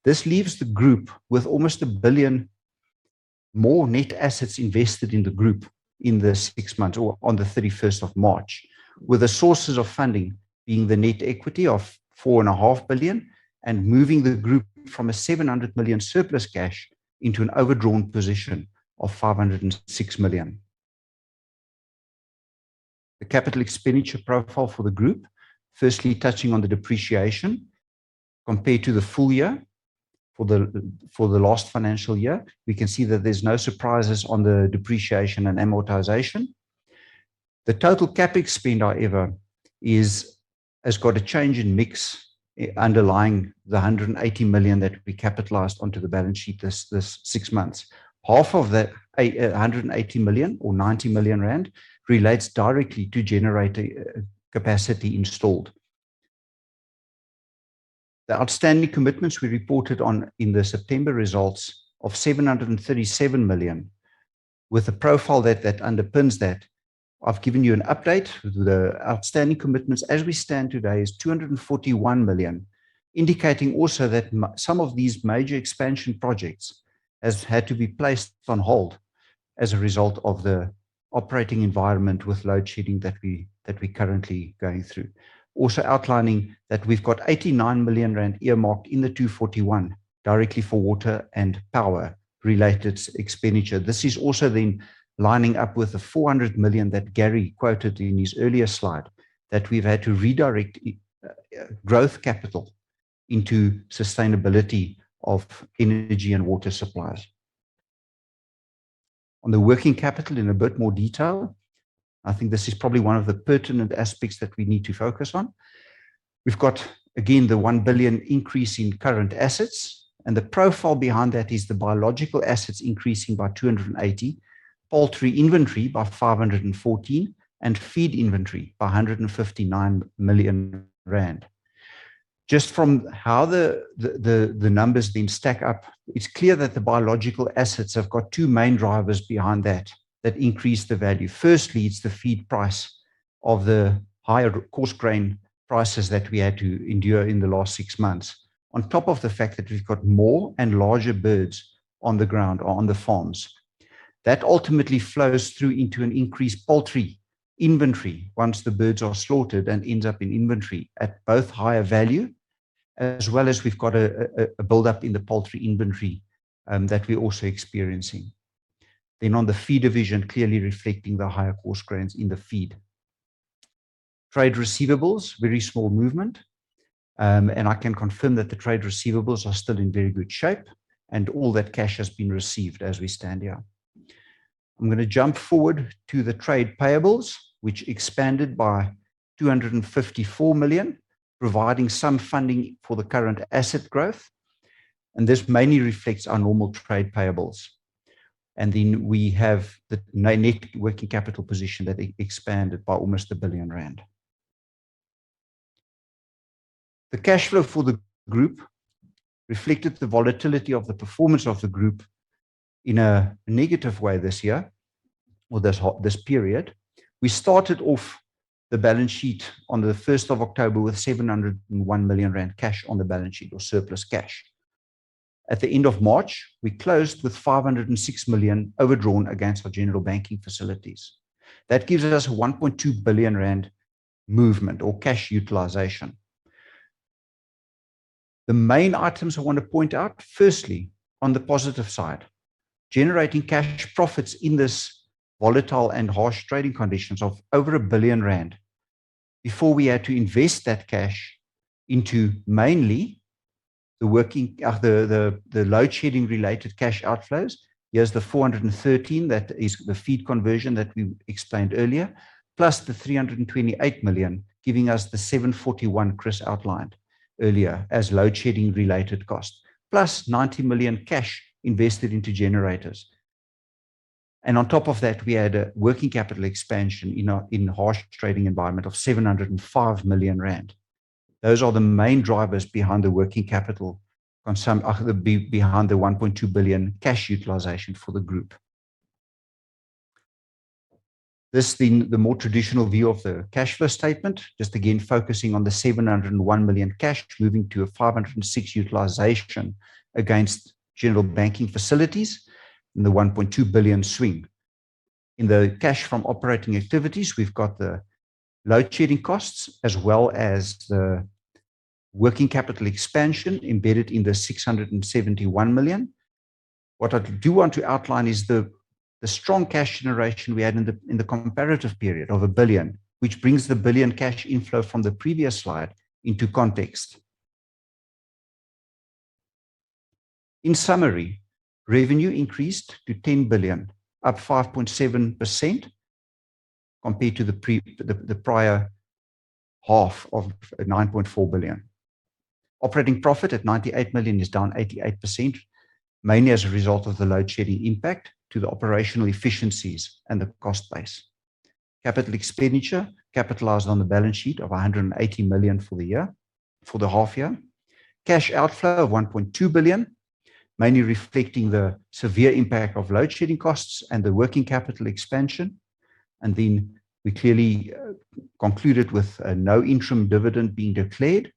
This leaves the group with almost 1 billion more net assets invested in the group in the six months or on the 31st of March, with the sources of funding being the net equity of 4.5 billion and moving the group from a 700 million surplus cash into an overdrawn position of 506 million. The capital expenditure profile for the group. Firstly touching on the depreciation. Compared to the full year for the last financial year, we can see that there's no surprises on the depreciation and amortization. The total CapEx spend, however, has got a change in mix underlying the 180 million that we capitalized onto the balance sheet this six months. Half of the 180 million or 90 million rand relates directly to generator capacity installed. The outstanding commitments we reported on in the September results of 737 million, with the profile that underpins that. I've given you an update. The outstanding commitments as we stand today is 241 million, indicating also that some of these major expansion projects has had to be placed on hold as a result of the operating environment with Load Shedding that we're currently going through. Outlining that we've got 89 million rand earmarked in the 241 directly for water and power-related expenditure. This is also lining up with the 400 million that Gary quoted in his earlier slide, that we've had to redirect growth capital into sustainability of energy and water supplies. On the working capital in a bit more detail, I think this is probably one of the pertinent aspects that we need to focus on. We've got, again, the 1 billion increase in current assets, and the profile behind that is the biological assets increasing by 280 million, poultry inventory by 514 million, and feed inventory by 159 million rand. From how the numbers being stack up, it's clear that the biological assets have got two main drivers behind that increase the value. It's the feed price of the higher coarse grain prices that we had to endure in the last six months. On top of the fact that we've got more and larger birds on the ground or on the farms. That ultimately flows through into an increased poultry inventory once the birds are slaughtered and ends up in inventory at both higher value, as well as we've got a buildup in the poultry inventory that we're also experiencing. On the feed division, clearly reflecting the higher coarse grains in the feed. Trade receivables, very small movement. I can confirm that the trade receivables are still in very good shape, and all that cash has been received as we stand here. I'm gonna jump forward to the trade payables, which expanded by 254 million, providing some funding for the current asset growth. This mainly reflects our normal trade payables. We have the net working capital position that expanded by almost 1 billion rand. The cash flow for the group reflected the volatility of the performance of the group in a negative way this year or this period. We started off the balance sheet on the 1st of October with 701 million rand cash on the balance sheet or surplus cash. At the end of March, we closed with 506 million overdrawn against our general banking facilities. That gives us a 1.2 billion rand movement or cash utilization. The main items I wanna point out, firstly, on the positive side, generating cash profits in this volatile and harsh trading conditions of over 1 billion rand. Before we had to invest that cash into mainly the working... The Load Shedding related cash outflows. Here's the 413, that is the feed conversion that we explained earlier, plus the 328 million, giving us the 741 Chris outlined earlier as Load Shedding related cost. Plus 90 million cash invested into generators. On top of that, we had a working capital expansion in a harsh trading environment of 705 million rand. Those are the main drivers behind the working capital behind the 1.2 billion cash utilization for the group. This thing, the more traditional view of the cash flow statement, just again focusing on the 701 million cash, moving to a 506 million utilization against general banking facilities in the 1.2 billion swing. In the cash from operating activities, we've got the load-shedding costs as well as the working capital expansion embedded in the 671 million. What I do want to outline is the strong cash generation we had in the comparative period of 1 billion, which brings the 1 billion cash inflow from the previous slide into context. In summary, revenue increased to 10 billion, up 5.7% compared to the prior half of 9.4 billion. Operating profit at 98 million is down 88%, mainly as a result of the load-shedding impact to the operational efficiencies and the cost base. Capital expenditure capitalized on the balance sheet of 180 million for the year, for the half year. Cash outflow of 1.2 billion, mainly reflecting the severe impact of load-shedding costs and the working capital expansion. We clearly concluded with no interim dividend being declared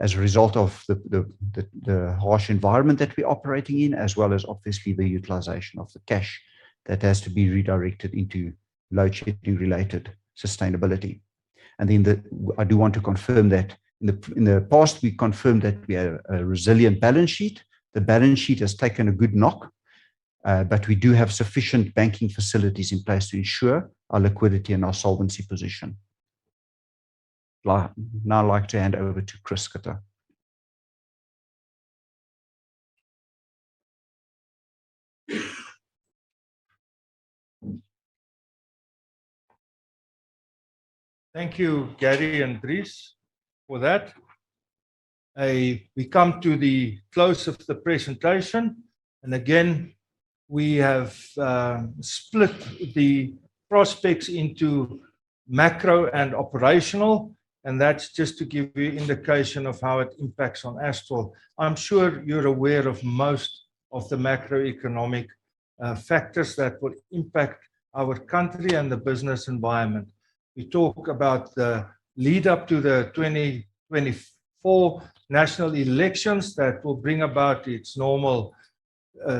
as a result of the harsh environment that we're operating in, as well as obviously the utilization of the cash that has to be redirected Load Shedding related sustainability. I do want to confirm that in the past, we confirmed that we have a resilient balance sheet. The balance sheet has taken a good knock, but we do have sufficient banking facilities in place to ensure our liquidity and our solvency position. I'd now like to hand over to Chris Schutte. Thank you Gary and Dries for that. We come to the close of the presentation. Again, we have split the prospects into macro and operational, and that's just to give you indication of how it impacts on Astral. I'm sure you're aware of most of the macroeconomic factors that will impact our country and the business environment. We talk about the lead up to the 2024 national elections that will bring about its normal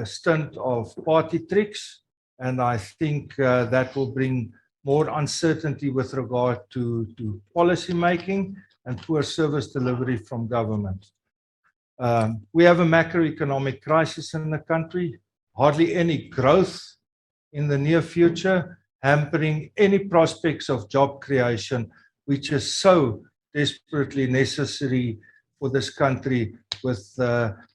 stunt of party tricks. I think that will bring more uncertainty with regard to policymaking and poor service delivery from government. We have a macroeconomic crisis in the country. Hardly any growth in the near future, hampering any prospects of job creation, which is so desperately necessary for this country with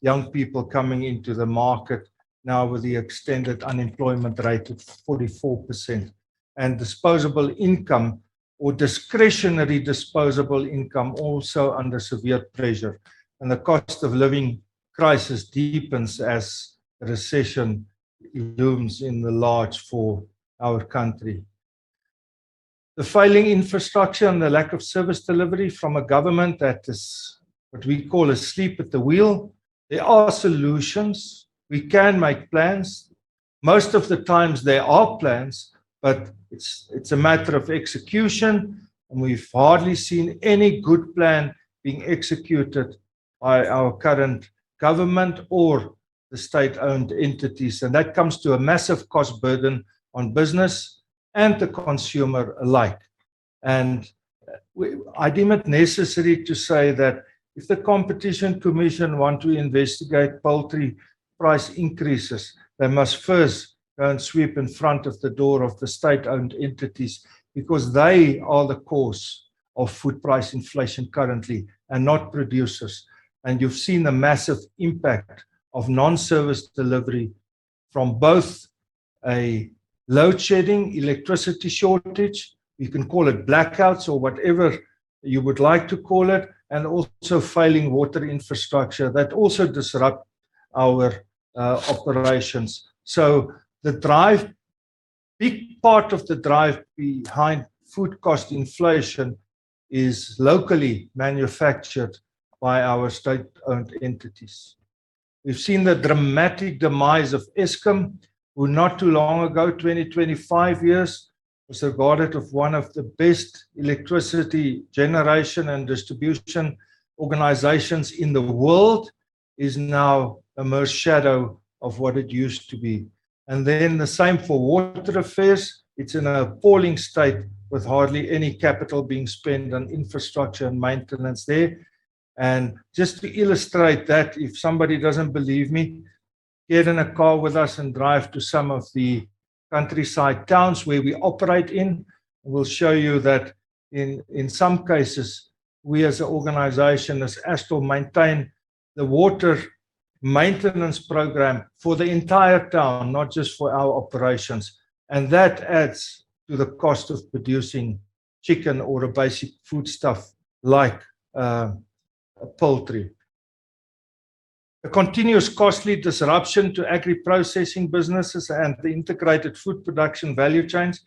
young people coming into the market now with the extended unemployment rate of 44%. Disposable income or discretionary disposable income also under severe pressure. The cost of living crisis deepens as recession looms in the large for our country. The failing infrastructure and the lack of service delivery from a government that is what we call asleep at the wheel. There are solutions. We can make plans. Most of the times there are plans, but it's a matter of execution, and we've hardly seen any good plan being executed by our current government or the state-owned entities. That comes to a massive cost burden on business and the consumer alike. I deem it necessary to say that if the Competition Commission want to investigate poultry price increases, they must first go and sweep in front of the door of the state-owned entities because they are the cause of food price inflation currently and not producers. You've seen the massive impact of non-service delivery from both a load-shedding electricity shortage, you can call it blackouts or whatever you would like to call it, and also failing water infrastructure that also disrupt our operations. The big part of the drive behind food cost inflation is locally manufactured by our state-owned entities. We've seen the dramatic demise of Eskom, who not too long ago, 20, 25 years, was regarded of one of the best electricity generation and distribution organizations in the world, is now a mere shadow of what it used to be. The same for water affairs. It's in an appalling state with hardly any capital being spent on infrastructure and maintenance there. Just to illustrate that, if somebody doesn't believe me, get in a car with us and drive to some of the countryside towns where we operate in. We'll show you that in some cases, we as an organization, as Astral, maintain the water maintenance program for the entire town, not just for our operations. That adds to the cost of producing chicken or a basic foodstuff like poultry. The continuous costly disruption to agri-processing businesses and the integrated food production value chains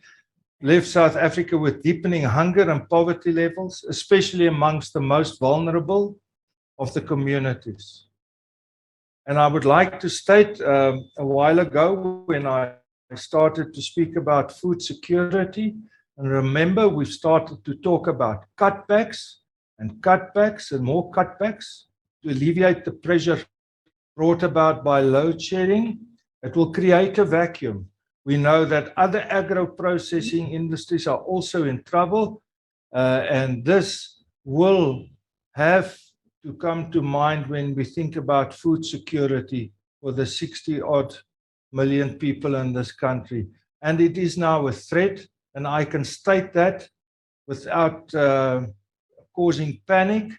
left South Africa with deepening hunger and poverty levels, especially amongst the most vulnerable of the communities. I would like to state, a while ago when I started to speak about food security, remember we started to talk about cutbacks and cutbacks and more cutbacks to alleviate the pressure brought about by load-shedding. It will create a vacuum. We know that other agro-processing industries are also in trouble. This will have to come to mind when we think about food security for the 60 odd million people in this country. It is now a threat, I can state that without causing panic.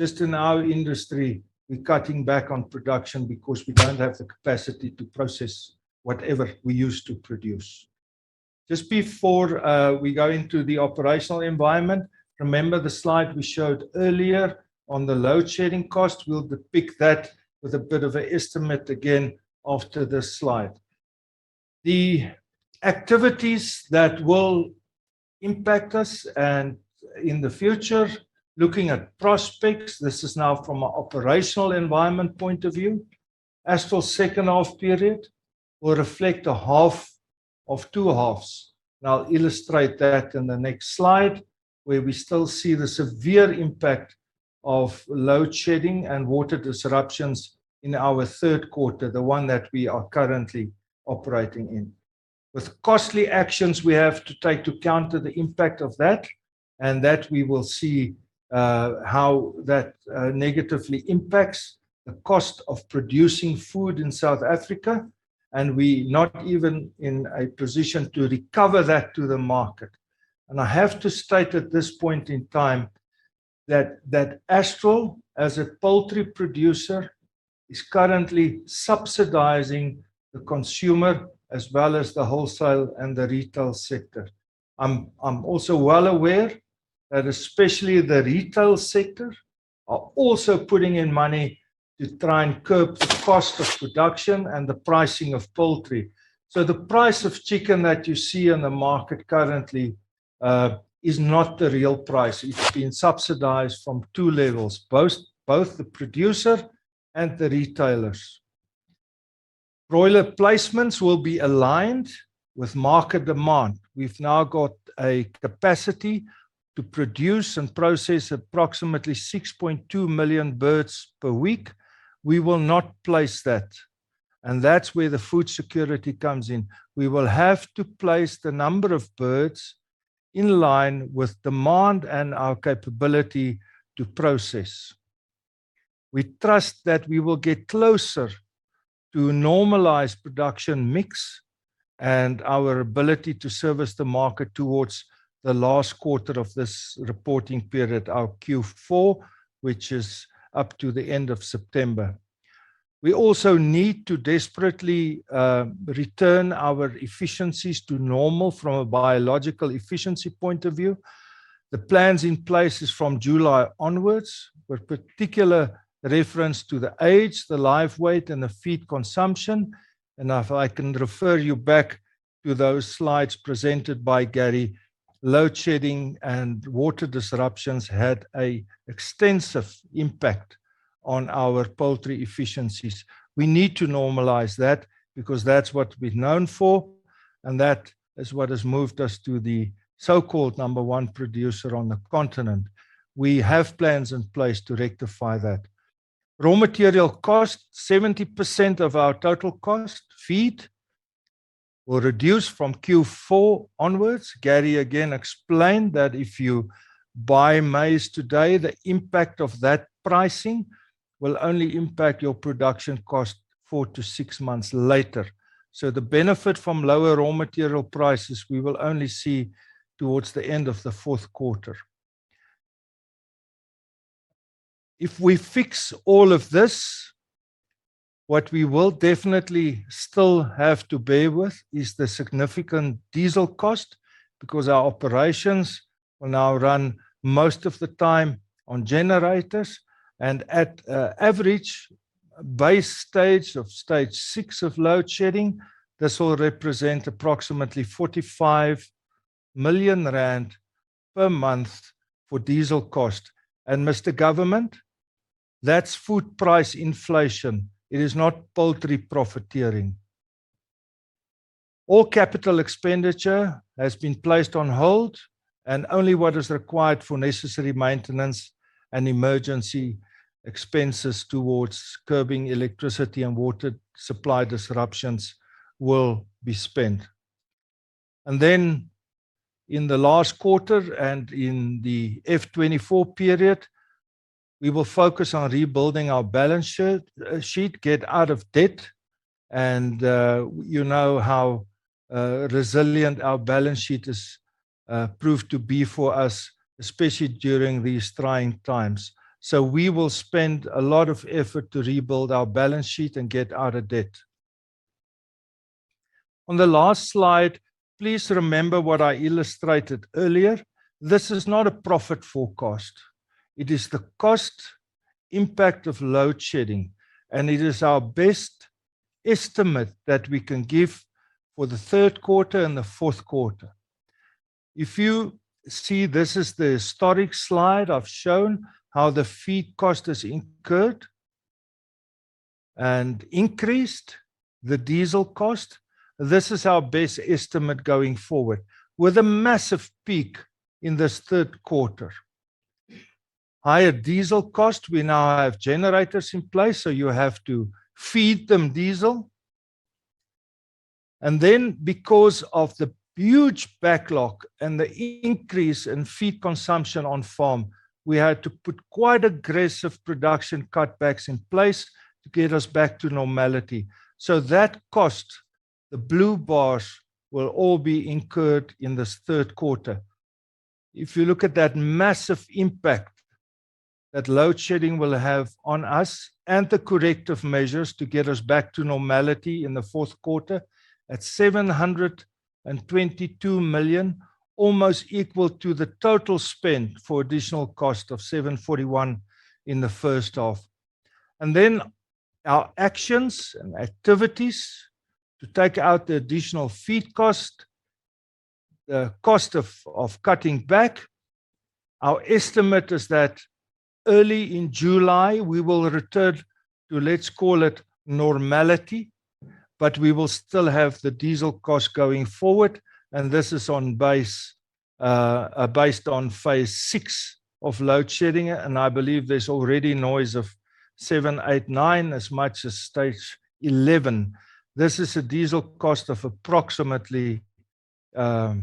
Just in our industry, we're cutting back on production because we don't have the capacity to process whatever we used to produce. Just before we go into the operational environment, remember the slide we showed earlier on the load-shedding cost. We'll depict that with a bit of an estimate again after this slide. The activities that will impact us and in the future, looking at prospects, this is now from an operational environment point of view. Astral's second half period will reflect a half of two halves, and I'll illustrate that in the next slide, where we still see the severe impact of Load Shedding and water disruptions in our third quarter, the one that we are currently operating in. With costly actions we have to take to counter the impact of that, and that we will see how that negatively impacts the cost of producing food in South Africa, and we're not even in a position to recover that to the market. I have to state at this point in time that Astral, as a poultry producer, is currently subsidizing the consumer as well as the wholesale and the retail sector. I'm also well aware that especially the retail sector are also putting in money to try and curb the cost of production and the pricing of poultry. The price of chicken that you see on the market currently is not the real price. It's been subsidized from two levels, both the producer and the retailers. Broiler placements will be aligned with market demand. We've now got a capacity to produce and process approximately 6.2 million birds per week. We will not place that's where the food security comes in. We will have to place the number of birds in line with demand and our capability to process. We trust that we will get closer to normalized production mix and our ability to service the market towards the last quarter of this reporting period, our Q4, which is up to the end of September. We also need to desperately return our efficiencies to normal from a biological efficiency point of view. The plans in place is from July onwards, with particular reference to the age, the live weight, and the feed consumption. If I can refer you back to those slides presented by Gary, Load Shedding and water disruptions had a extensive impact on our poultry efficiencies. We need to normalize that because that's what we're known for, and that is what has moved us to the so-called number one producer on the continent. We have plans in place to rectify that. Raw material cost, 70% of our total cost. Feed will reduce from Q4 onwards. Gary again explained that if you buy maize today, the impact of that pricing will only impact your production cost four to six months later. The benefit from lower raw material prices we will only see towards the end of the fourth quarter. If we fix all of this, what we will definitely still have to bear with is the significant diesel cost, because our operations will now run most of the time on generators. At average base stage of stage six of Load Shedding, this will represent approximately 45 million rand per month for diesel cost. Mr. Government, that's food price inflation. It is not poultry profiteering. All capital expenditure has been placed on hold, and only what is required for necessary maintenance and emergency expenses towards curbing electricity and water supply disruptions will be spent. In the last quarter and in the F2024 period, we will focus on rebuilding our balance sheet, get out of debt, and you know how resilient our balance sheet is proved to be for us, especially during these trying times. We will spend a lot of effort to rebuild our balance sheet and get out of debt. On the last slide, please remember what I illustrated earlier. This is not a profit forecast. It is the cost impact of Load Shedding, and it is our best estimate that we can give for the third quarter and the fourth quarter. If you see this is the historic slide I've shown how the feed cost is incurred and increased the diesel cost. This is our best estimate going forward with a massive peak in this third quarter. Higher diesel cost. We now have generators in place. You have to feed them diesel. Because of the huge backlog and the increase in feed consumption on farm, we had to put quite aggressive production cutbacks in place to get us back to normality. That cost the blue bars, will all be incurred in this third quarter. If you look at that massive impact that Load Shedding will have on us and the corrective measures to get us back to normality in the fourth quarter at 722 million, almost equal to the total spend for additional cost of 741 million, in the first half. Our actions and activities to take out the additional feed cost, the cost of cutting back. Our estimate is that early in July we will return to, let's call it normality, but we will still have the diesel cost going forward. This is based on Phase six of Load Shedding. I believe there's already noise of seven, eight, nine as much as Stage 11. This is a diesel cost of approximately 45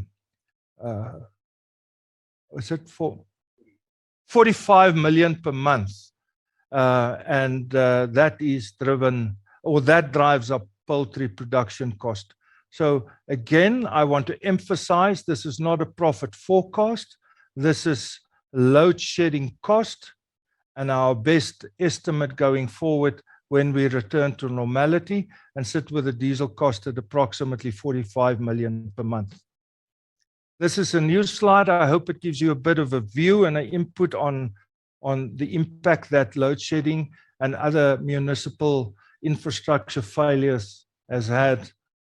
million per month. That is driven or that drives up poultry production cost. Again, I want to emphasize this is not a profit forecast. This is Load Shedding cost and our best estimate going forward when we return to normality and sit with a diesel cost at approximately 45 million per month. This is a new slide. I hope it gives you a bit of a view and an input on the impact that Load Shedding and other municipal infrastructure failures has had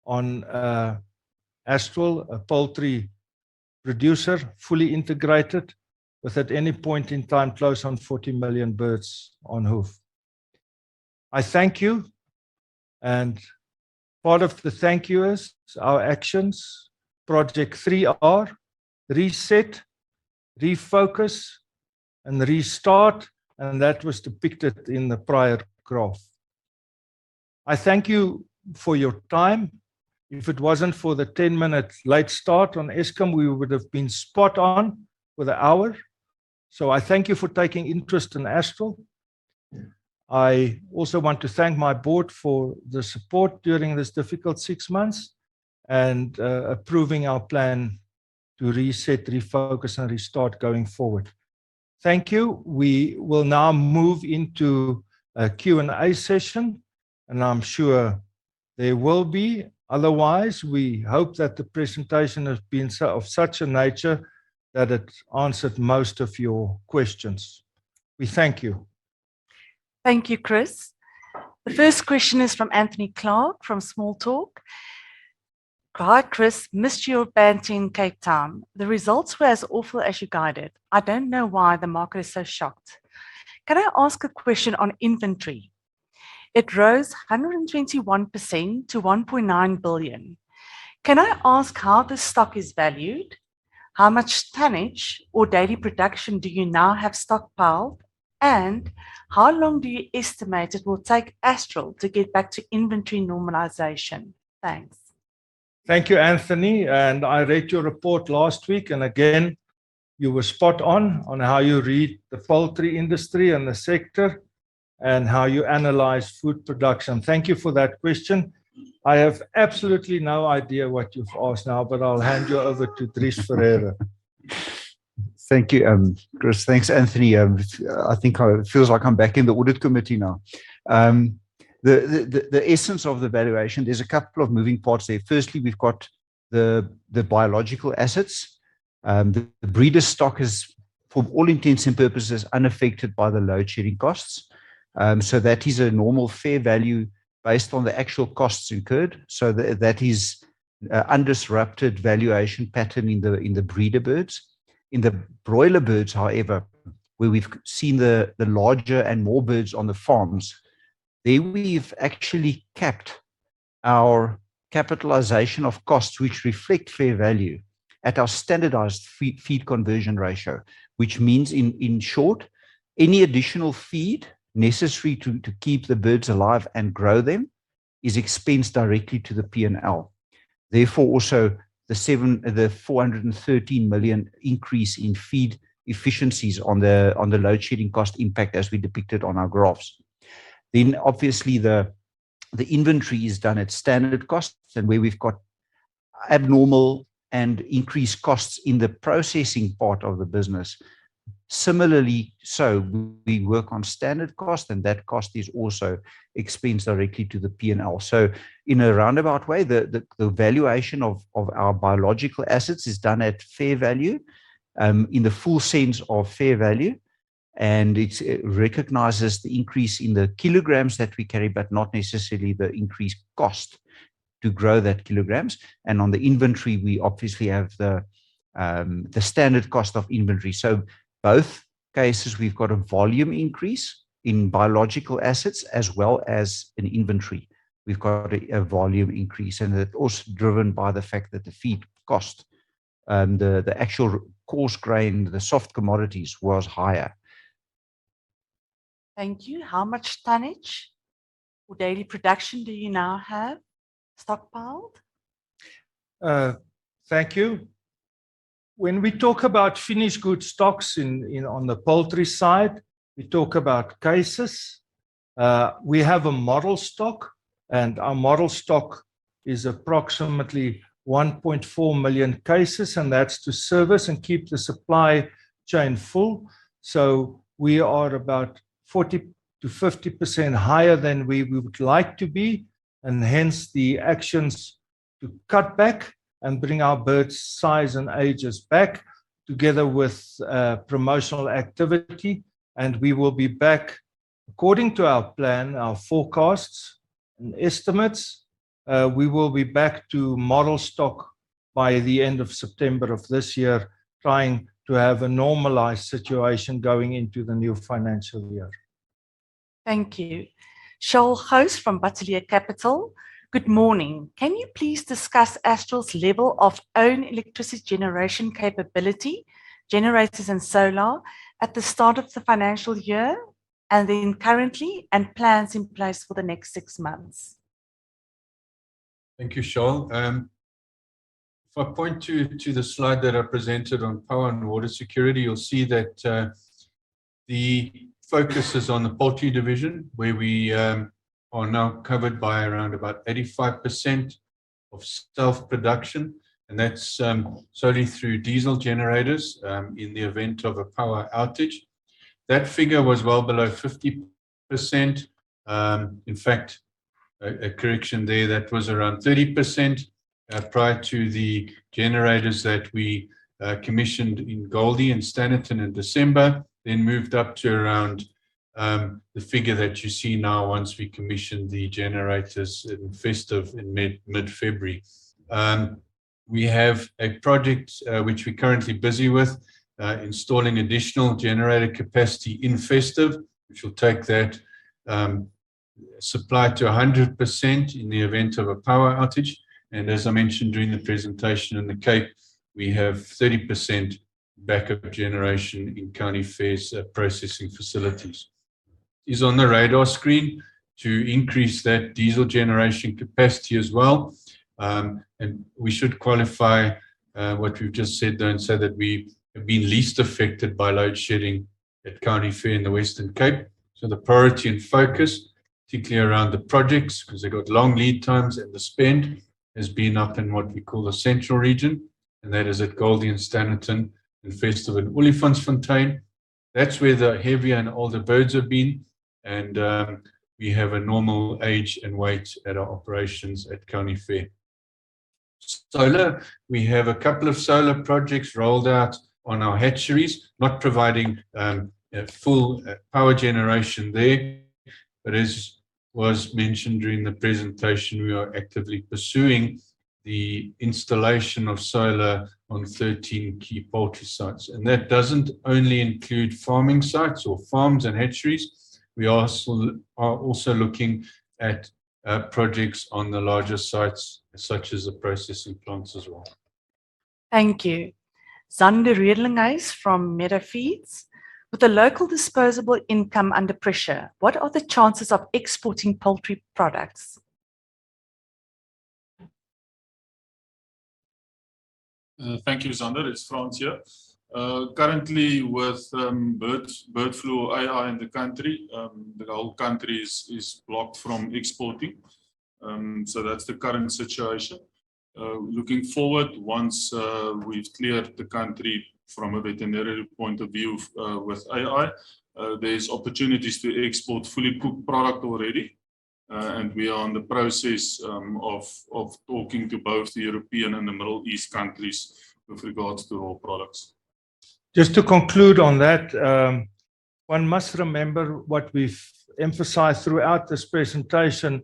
on Astral, a poultry producer, fully integrated with at any point in time close on 40 million birds on hoof. I thank you. Part of the thank you is our actions, Project 3R, Re-Set, Re-focus and Re-start, and that was depicted in the prior graph. I thank you for your time. If it wasn't for the 10-minute late start on Eskom, we would have been spot on with an hour. I thank you for taking interest in Astral. I also want to thank my board for the support during this difficult six months and approving our plan to reset, refocus and restart going forward. Thank you. We will now move into a Q&A session, and I'm sure there will be. Otherwise, we hope that the presentation has been of such a nature that it answered most of your questions. We thank you. Thank you, Chris. The first question is from Anthony Clark from Small Talk. Hi Chris. Missed your band in Cape Town. The results were as awful as you guided. I don't know why the market is so shocked. Can I ask a question on inventory? It rose 121% to 1.9 billion. Can I ask how the stock is valued? How much tonnage or daily production do you now have stockpiled? How long do you estimate it will take Astral to get back to inventory normalization? Thanks. Thank you Anthony, I read your report last week, and again, you were spot on how you read the poultry industry and the sector and how you analyze food production. Thank you for that question. I have absolutely no idea what you've asked now, but I'll hand you over to Dries Ferreira. Thank you Chris, thanks, Anthony. I think it feels like I'm back in the audit committee now. The essence of the valuation, there's a couple of moving parts there. Firstly, we've got the biological assets. The breeder stock is, for all intents and purposes, unaffected by the Load Shedding costs. That is a normal fair value based on the actual costs incurred. That is undisrupted valuation pattern in the breeder birds. In the broiler birds, however, where we've seen the larger and more birds on the farms, there we've actually capped our capitalization of costs which reflect fair value at our standardized feed conversion ratio. Which means in short, any additional feed necessary to keep the birds alive and grow them is expensed directly to the P&L. Also the 413 million increase in feed efficiencies on the Load Shedding cost impact as we depicted on our graphs. Obviously the inventory is done at standard costs. Where we've got abnormal and increased costs in the processing part of the business. Similarly, we work on standard cost, and that cost is also expensed directly to the P&L. In a roundabout way, the valuation of our biological assets is done at fair value, in the full sense of fair value. It recognizes the increase in the kilograms that we carry, but not necessarily the increased cost to grow that kilograms. On the inventory, we obviously have the standard cost of inventory. Both cases, we've got a volume increase in biological assets as well as in inventory. We've got a volume increase. It's also driven by the fact that the feed cost, the actual coarse grain, the soft commodities was higher. Thank you. How much tonnage or daily production do you now have stockpiled? Thank you. When we talk about finished goods stocks in, on the poultry side, we talk about cases. We have a model stock, and our model stock is approximately 1.4 million cases, and that's to service and keep the supply chain full. We are about 40%-50% higher than we would like to be, and hence the actions to cut back and bring our birds size and ages back together with promotional activity. We will be back according to our plan, our forecasts and estimates, we will be back to model stock by the end of September of this year, trying to have a normalized situation going into the new financial year. Thank you. Charl Gous from Bateleur Capital Good morning, can you please discuss Astral's level of own electricity generation capability, generators and solar, at the start of the financial year and then currently, and plans in place for the next six months? Thank you Charl I point to the slide that I presented on power and water security, you'll see that the focus is on the poultry division, where we are now covered by around about 85% of self-production, and that's solely through diesel generators in the event of a power outage. That figure was well below 50%. In fact, a correction there, that was around 30% prior to the generators that we commissioned in Goldi and Standerton in December, then moved up to around the figure that you see now once we commissioned the generators in Festive, in mid-February. We have a project which we're currently busy with, installing additional generator capacity in Festive, which will take that supply to 100% in the event of a power outage. As I mentioned during the presentation in the Cape, we have 30% backup generation in County Fair's processing facilities. Is on the radar screen to increase that diesel generation capacity as well. We should qualify what we've just said there and say that we have been least affected by Load Shedding at County Fair in the Western Cape. The priority and focus, particularly around the projects because they've got long lead times and the spend, has been up in what we call the central region, and that is at Goldi and Standerton and Festive in Olifantsfontein. That's where the heavier and older birds have been. We have a normal age and weight at our operations at County Fair. Solar we have a couple of solar projects rolled out on our hatcheries, not providing a full power generation there. As was mentioned during the presentation, we are actively pursuing the installation of solar on 13 key poultry sites. That doesn't only include farming sites or farms and hatcheries. We are also looking at projects on the larger sites, such as the processing plants as well. Thank you. Xander Rederlinghuys from Meadow Feeds. With the local disposable income under pressure, what are the chances of exporting poultry products? Thank you Xander It's Franz here, currently with bird flu AI in the country, the whole country is blocked from exporting. That's the current situation. Looking forward, once we've cleared the country from a veterinary point of view, with AI, there's opportunities to export fully cooked product already. We are in the process of talking to both the European and the Middle East countries with regards to our products. Just to conclude on that, one must remember what we've emphasized throughout this presentation.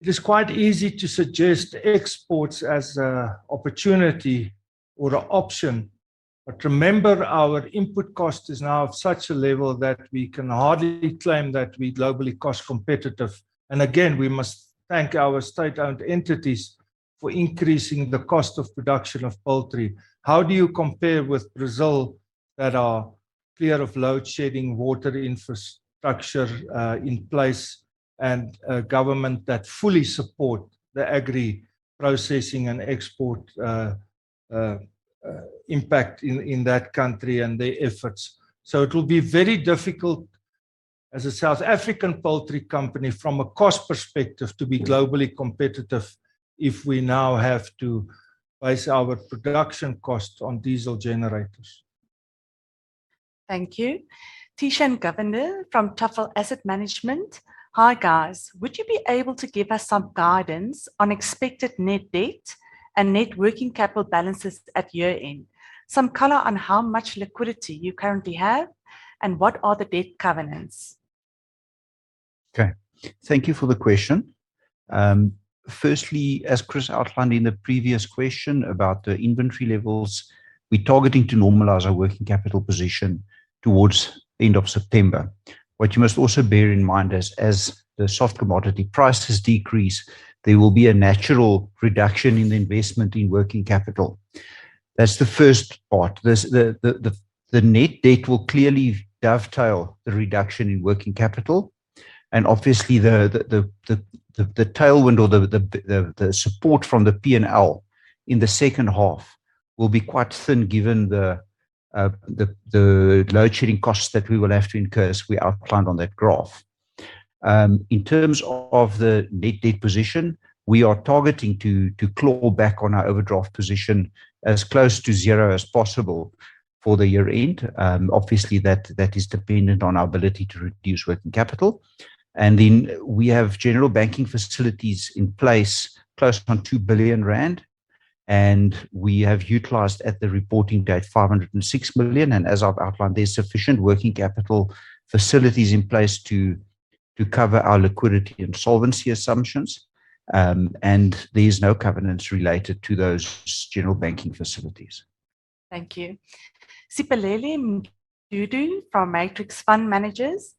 It is quite easy to suggest exports as a opportunity or a option. Remember, our input cost is now at such a level that we can hardly claim that we globally cost competitive. Again, we must thank our state-owned entities for increasing the cost of production of poultry. How do you compare with Brazil that are clear of Load Shedding, water infrastructure in place and a government that fully support the agri-processing and export impact in that country and their efforts? It will be very difficult as a South African poultry company from a cost perspective to be globally competitive if we now have to base our production costs on diesel generators. Thank you. Thishan Govender from Truffle Asset Management. Hi, guys. Would you be able to give us some guidance on expected net debt and net working capital balances at year-end? Some color on how much liquidity you currently have, and what are the debt covenants? Thank you for the question. Firstly as Chris outlined in the previous question about the inventory levels, we're targeting to normalize our working capital position towards end of September. What you must also bear in mind is, as the soft commodity prices decrease, there will be a natural reduction in investment in working capital. That's the first part. The net debt will clearly dovetail the reduction in working capital. Obviously the tailwind or the support from the P&L in the second half will be quite thin given the Load Shedding costs that we will have to incur as we outlined on that graph. In terms of the net debt position, we are targeting to claw back on our overdraft position as close to zero as possible for the year-end. Obviously that is dependent on our ability to reduce working capital. We have general banking facilities in place close to 2 billion rand. We have utilized, at the reporting date, 506 million. As I've outlined, there's sufficient working capital facilities in place to cover our liquidity and solvency assumptions. There's no covenants related to those general banking facilities. Thank you. Siphelele Mdudu from Matrix Fund Managers.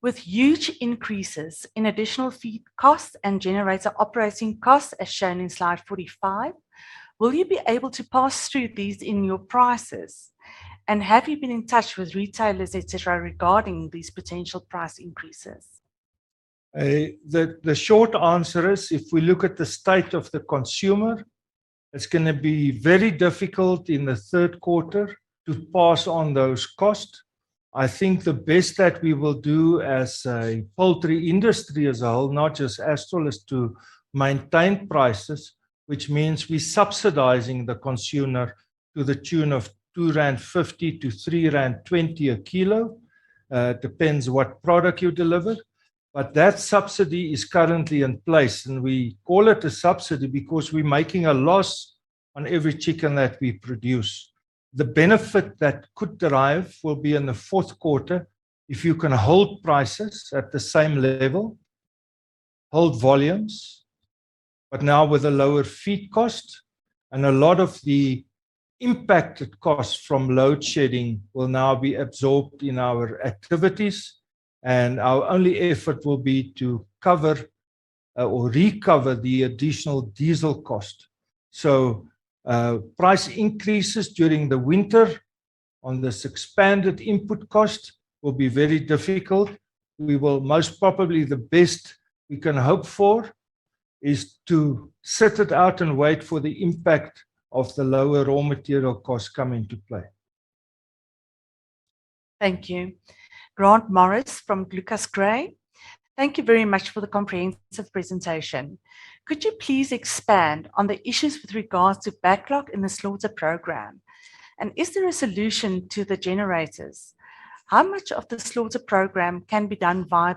"With huge increases in additional feed costs and generator operating costs as shown in slide 45, will you be able to pass through these in your prices? Have you been in touch with retailers, et cetera, regarding these potential price increases? The short answer is if we look at the state of the consumer, it's going to be very difficult in the third quarter to pass on those costs. I think the best that we will do as a poultry industry as a whole, not just Astral, is to maintain prices, which means we subsidizing the consumer to the tune of 2.50-3.20 rand a kilo. It depends what product you deliver. That subsidy is currently in place, and we call it a subsidy because we're making a loss on every chicken that we produce. The benefit that could derive will be in the fourth quarter. If you can hold prices at the same level, hold volumes, but now with a lower feed cost. A lot of the impacted costs from Load Shedding will now be absorbed in our activities, and our only effort will be to cover or recover the additional diesel cost. Price increases during the winter on this expanded input cost will be very difficult. We will most probably the best we can hope for is to sit it out and wait for the impact of the lower raw material costs come into play. Thank you. Grant Morris from ClucasGray. "Thank you very much for the comprehensive presentation. Could you please expand on the issues with regards to backlog in the slaughter program? Is there a solution to the generators? How much of the slaughter program can be done via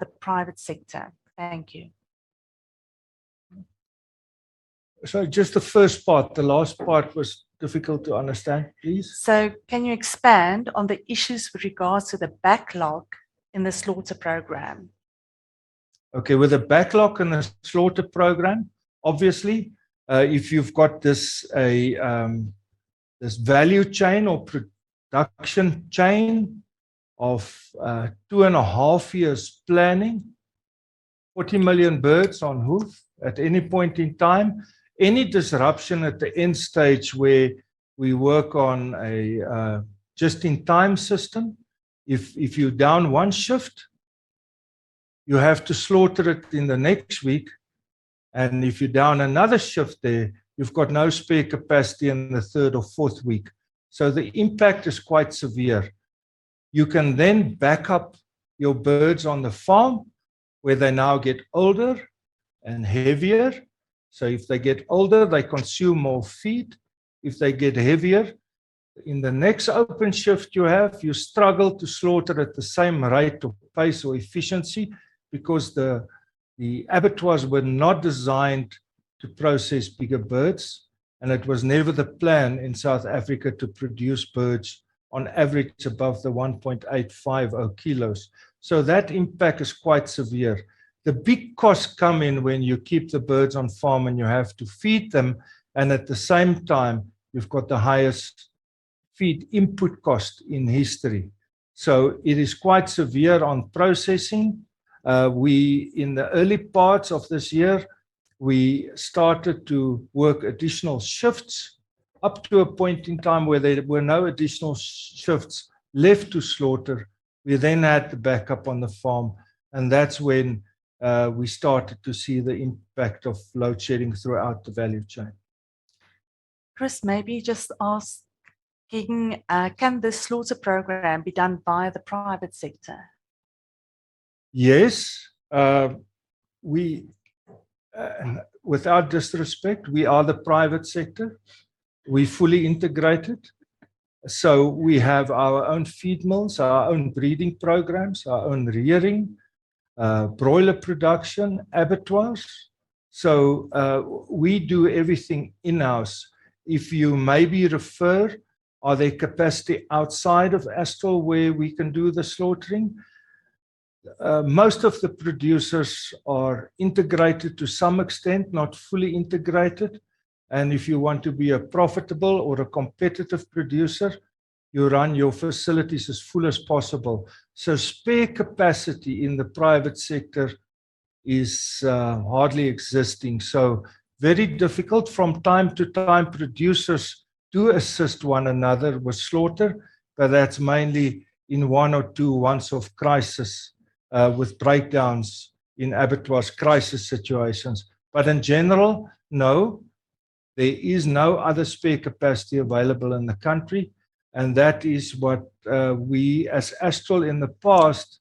the private sector? Thank you. Just the first part. The last part was difficult to understand. Please. Can you expand on the issues with regards to the backlog in the slaughter program? Okay, with the backlog in the slaughter program, obviously, if you've got this value chain or production chain of two and a half years planning 40 million birds on hoof at any point in time, any disruption at the end stage where we work on a just-in-time system. If you're down one shift, you have to slaughter it in the next week. If you're down another shift there, you've got no spare capacity in the third or fourth week. The impact is quite severe. You can then back up your birds on the farm where they now get older and heavier. If they get older, they consume more feed. If they get heavier, in the next open shift you have, you struggle to slaughter at the same rate or pace or efficiency because the abattoirs were not designed to process bigger birds. It was never the plan in South Africa to produce birds on average above the 1.850 kg. That impact is quite severe. The big costs come in when you keep the birds on farm and you have to feed them. At the same time, you've got the highest feed input cost in history. It is quite severe on processing. We, in the early parts of this year, we started to work additional shifts up to a point in time where there were no additional shifts left to slaughter. We then had the backup on the farm, and that's when, we started to see the impact of Load Shedding throughout the value chain. Chris, maybe just ask again, can the slaughter program be done via the private sector? Yes. Without disrespect we are the private sector. We fully integrated. We have our own feed mills, our own breeding programs, our own rearing, broiler production abattoirs. We do everything in-house. If you maybe refer, are there capacity outside of Astral where we can do the slaughtering? Most of the producers are integrated to some extent, not fully integrated. If you want to be a profitable or a competitive producer, you run your facilities as full as possible. Spare capacity in the private sector is hardly existing. Very difficult. From time to time producers do assist one another with slaughter, but that's mainly in one or two once-off crisis with breakdowns in abattoirs crisis situations. In general, no, there is no other spare capacity available in the country, and that is what we as Astral in the past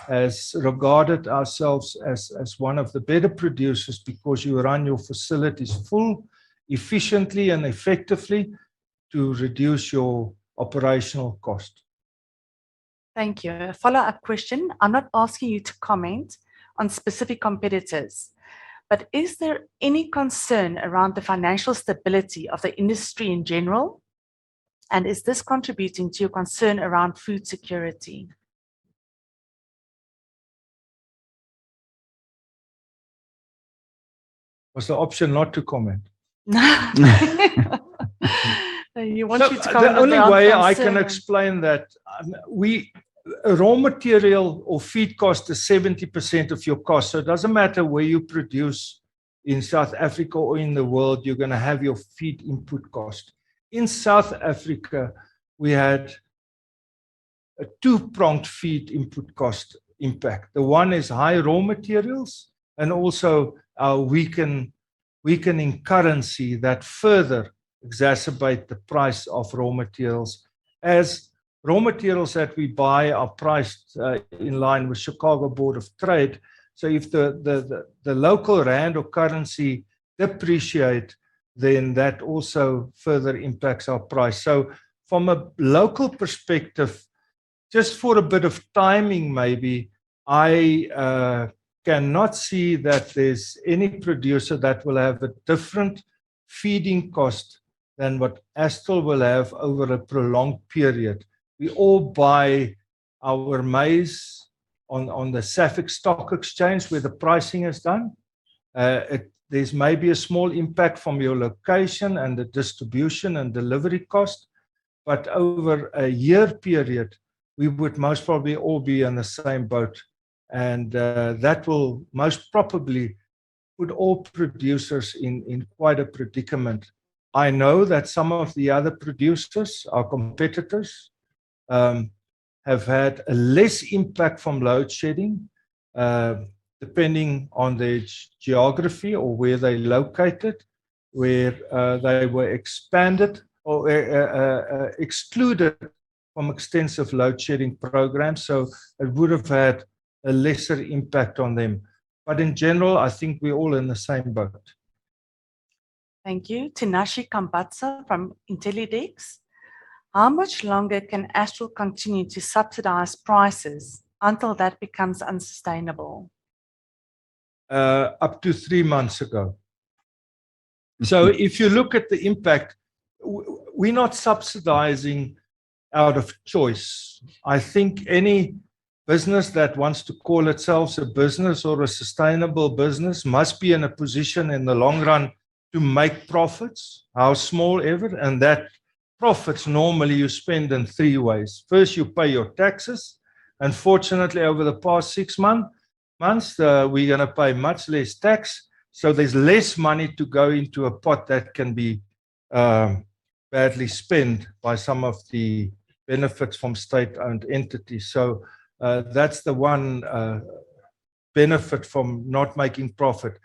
has regarded ourselves as one of the better producers because you run your facilities full efficiently and effectively to reduce your operational cost. Thank you. A follow-up question. I'm not asking you to comment on specific competitors. Is there any concern around the financial stability of the industry in general? Is this contributing to your concern around food security? Was the option not to comment? You want me to comment about. The only way I can explain that, Raw material or feed cost is 70% of your cost. It doesn't matter where you produce in South Africa or in the world, you're gonna have your feed input cost. In South Africa we had a two-pronged feed input cost impact. The one is high raw materials, and also our weakening currency that further exacerbate the price of raw materials. As raw materials that we buy are priced in line with Chicago Board of Trade. If the local rand or currency depreciate, then that also further impacts our price. From a local perspective, just for a bit of timing maybe, I cannot see that there's any producer that will have a different feeding cost than what Astral will have over a prolonged period. We all buy our maize on the SAFEX stock exchange where the pricing is done. There's may be a small impact from your location and the distribution and delivery cost. Over a year period, we would most probably all be in the same boat and that will most probably put all producers in quite a predicament. I know that some of the other producers, our competitors, have had a less impact from Load Shedding, depending on their geography or where they're located, where they were expanded or excluded from extensive Load Shedding programs. It would have had a lesser impact on them. In general, I think we're all in the same boat. Thank you. Tinashe Kambadza from Intellidex. How much longer can Astral continue to subsidize prices until that becomes unsustainable? Up to three months ago. So If you look at the impact, we're not subsidizing out of choice. I think any business that wants to call itself a business or a sustainable business must be in a position in the long run to make profits, how small ever. That profits normally you spend in three ways. First, you pay your taxes. Unfortunately, over the past six months, we're gonna pay much less tax, so there's less money to go into a pot that can be badly spent by some of the benefits from state-owned entities. That's the one benefit from not making profit.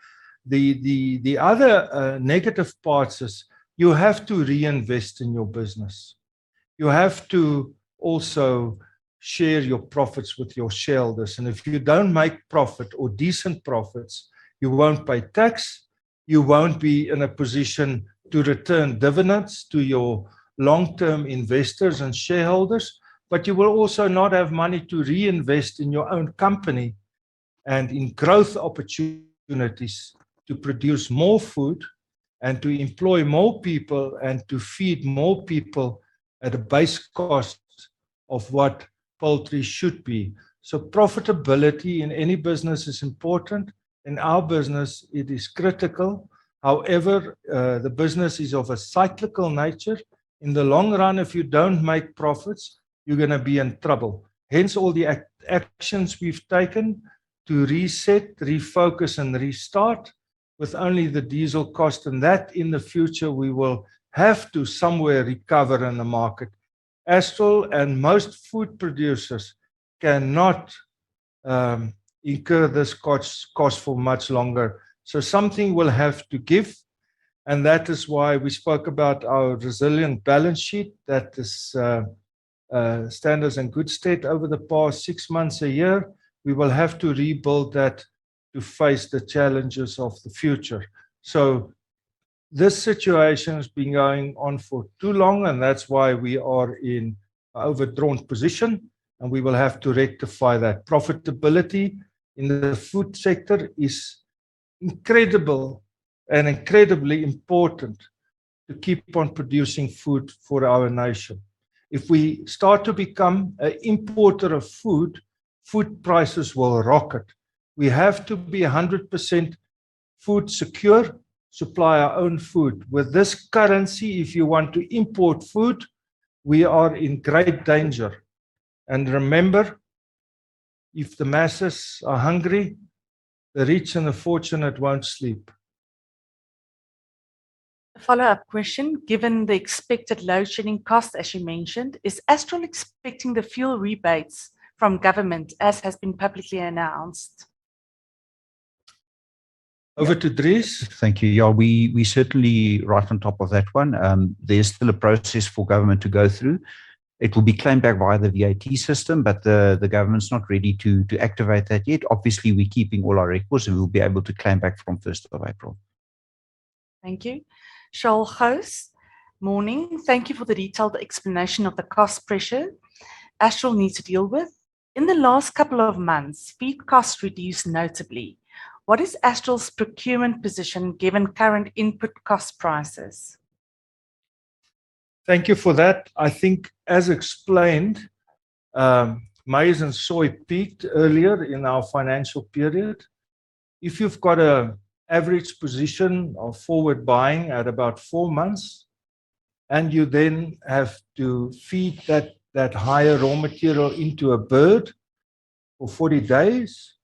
The other negative parts is you have to reinvest in your business. You have to also share your profits with your shareholders. If you don't make profit or decent profits, you won't pay tax, you won't be in a position to return dividends to your long-term investors and shareholders, but you will also not have money to reinvest in your own company and in growth opportunities to produce more food and to employ more people and to feed more people at a base cost of what poultry should be. Profitability in any business is important. In our business it is critical. However, the business is of a cyclical nature. In the long run if you don't make profits, you're gonna be in trouble, hence all the actions we've taken to reset, refocus, and restart with only the diesel cost, and that in the future we will have to somewhere recover in the market. Astral and most food producers cannot incur this cost for much longer. Something will have to give, and that is why we spoke about our resilient balance sheet that stands in good state over the past six months, a year. We will have to rebuild that to face the challenges of the future. This situation has been going on for too long, and that's why we are in overdrawn position and we will have to rectify that. Profitability in the food sector is incredible, and incredibly important to keep on producing food for our nation. If we start to become a importer of food prices will rocket. We have to be 100% food secure, supply our own food. With this currency if you want to import food, we are in great danger. Remember, if the masses are hungry, the rich and the fortunate won't sleep. Follow-up question. Given the expected load-shedding costs as you mentioned, is Astral expecting the fuel rebates from government, as has been publicly announced? Over to Dries. Thank you we certainly right on top of that one. There is still a process for government to go through. It will be claimed back via the VAT system. The government's not ready to activate that yet. Obviously, we're keeping all our records. We'll be able to claim back from 1st of April. Thank you Charl Gous, Morning. Thank you for the detailed explanation of the cost pressure Astral needs to deal with. In the last couple of months, feed costs reduced notably. What is Astral's procurement position given current input cost prices? Thank you for that. I think as explained, maize and soy peaked earlier in our financial period. If you've got a average position of forward buying at about four months, and you then have to feed that higher raw material into a bird for 40 days,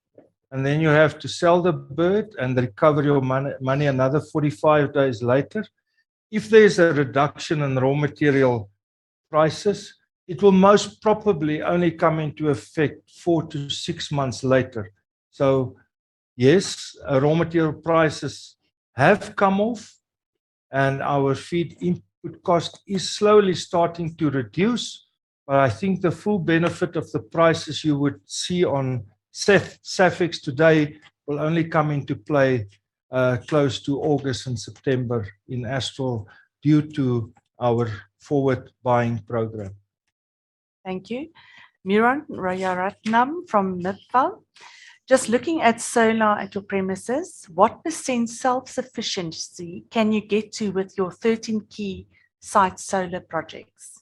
and then you have to sell the bird and recover your money another 45 days later. If there's a reduction in raw material prices, it will most probably only come into effect four to six months later. Yes, raw material prices have come off, and our feed input cost is slowly starting to reduce. I think the full benefit of the prices you would see on SAFEX today will only come into play, close to August and September in Astral due to our forward buying program. Thank you Myuran Rajaratnam from Midvale. Just looking at solar at your premises, what % self-sufficiency can you get to with your 13 key site solar projects?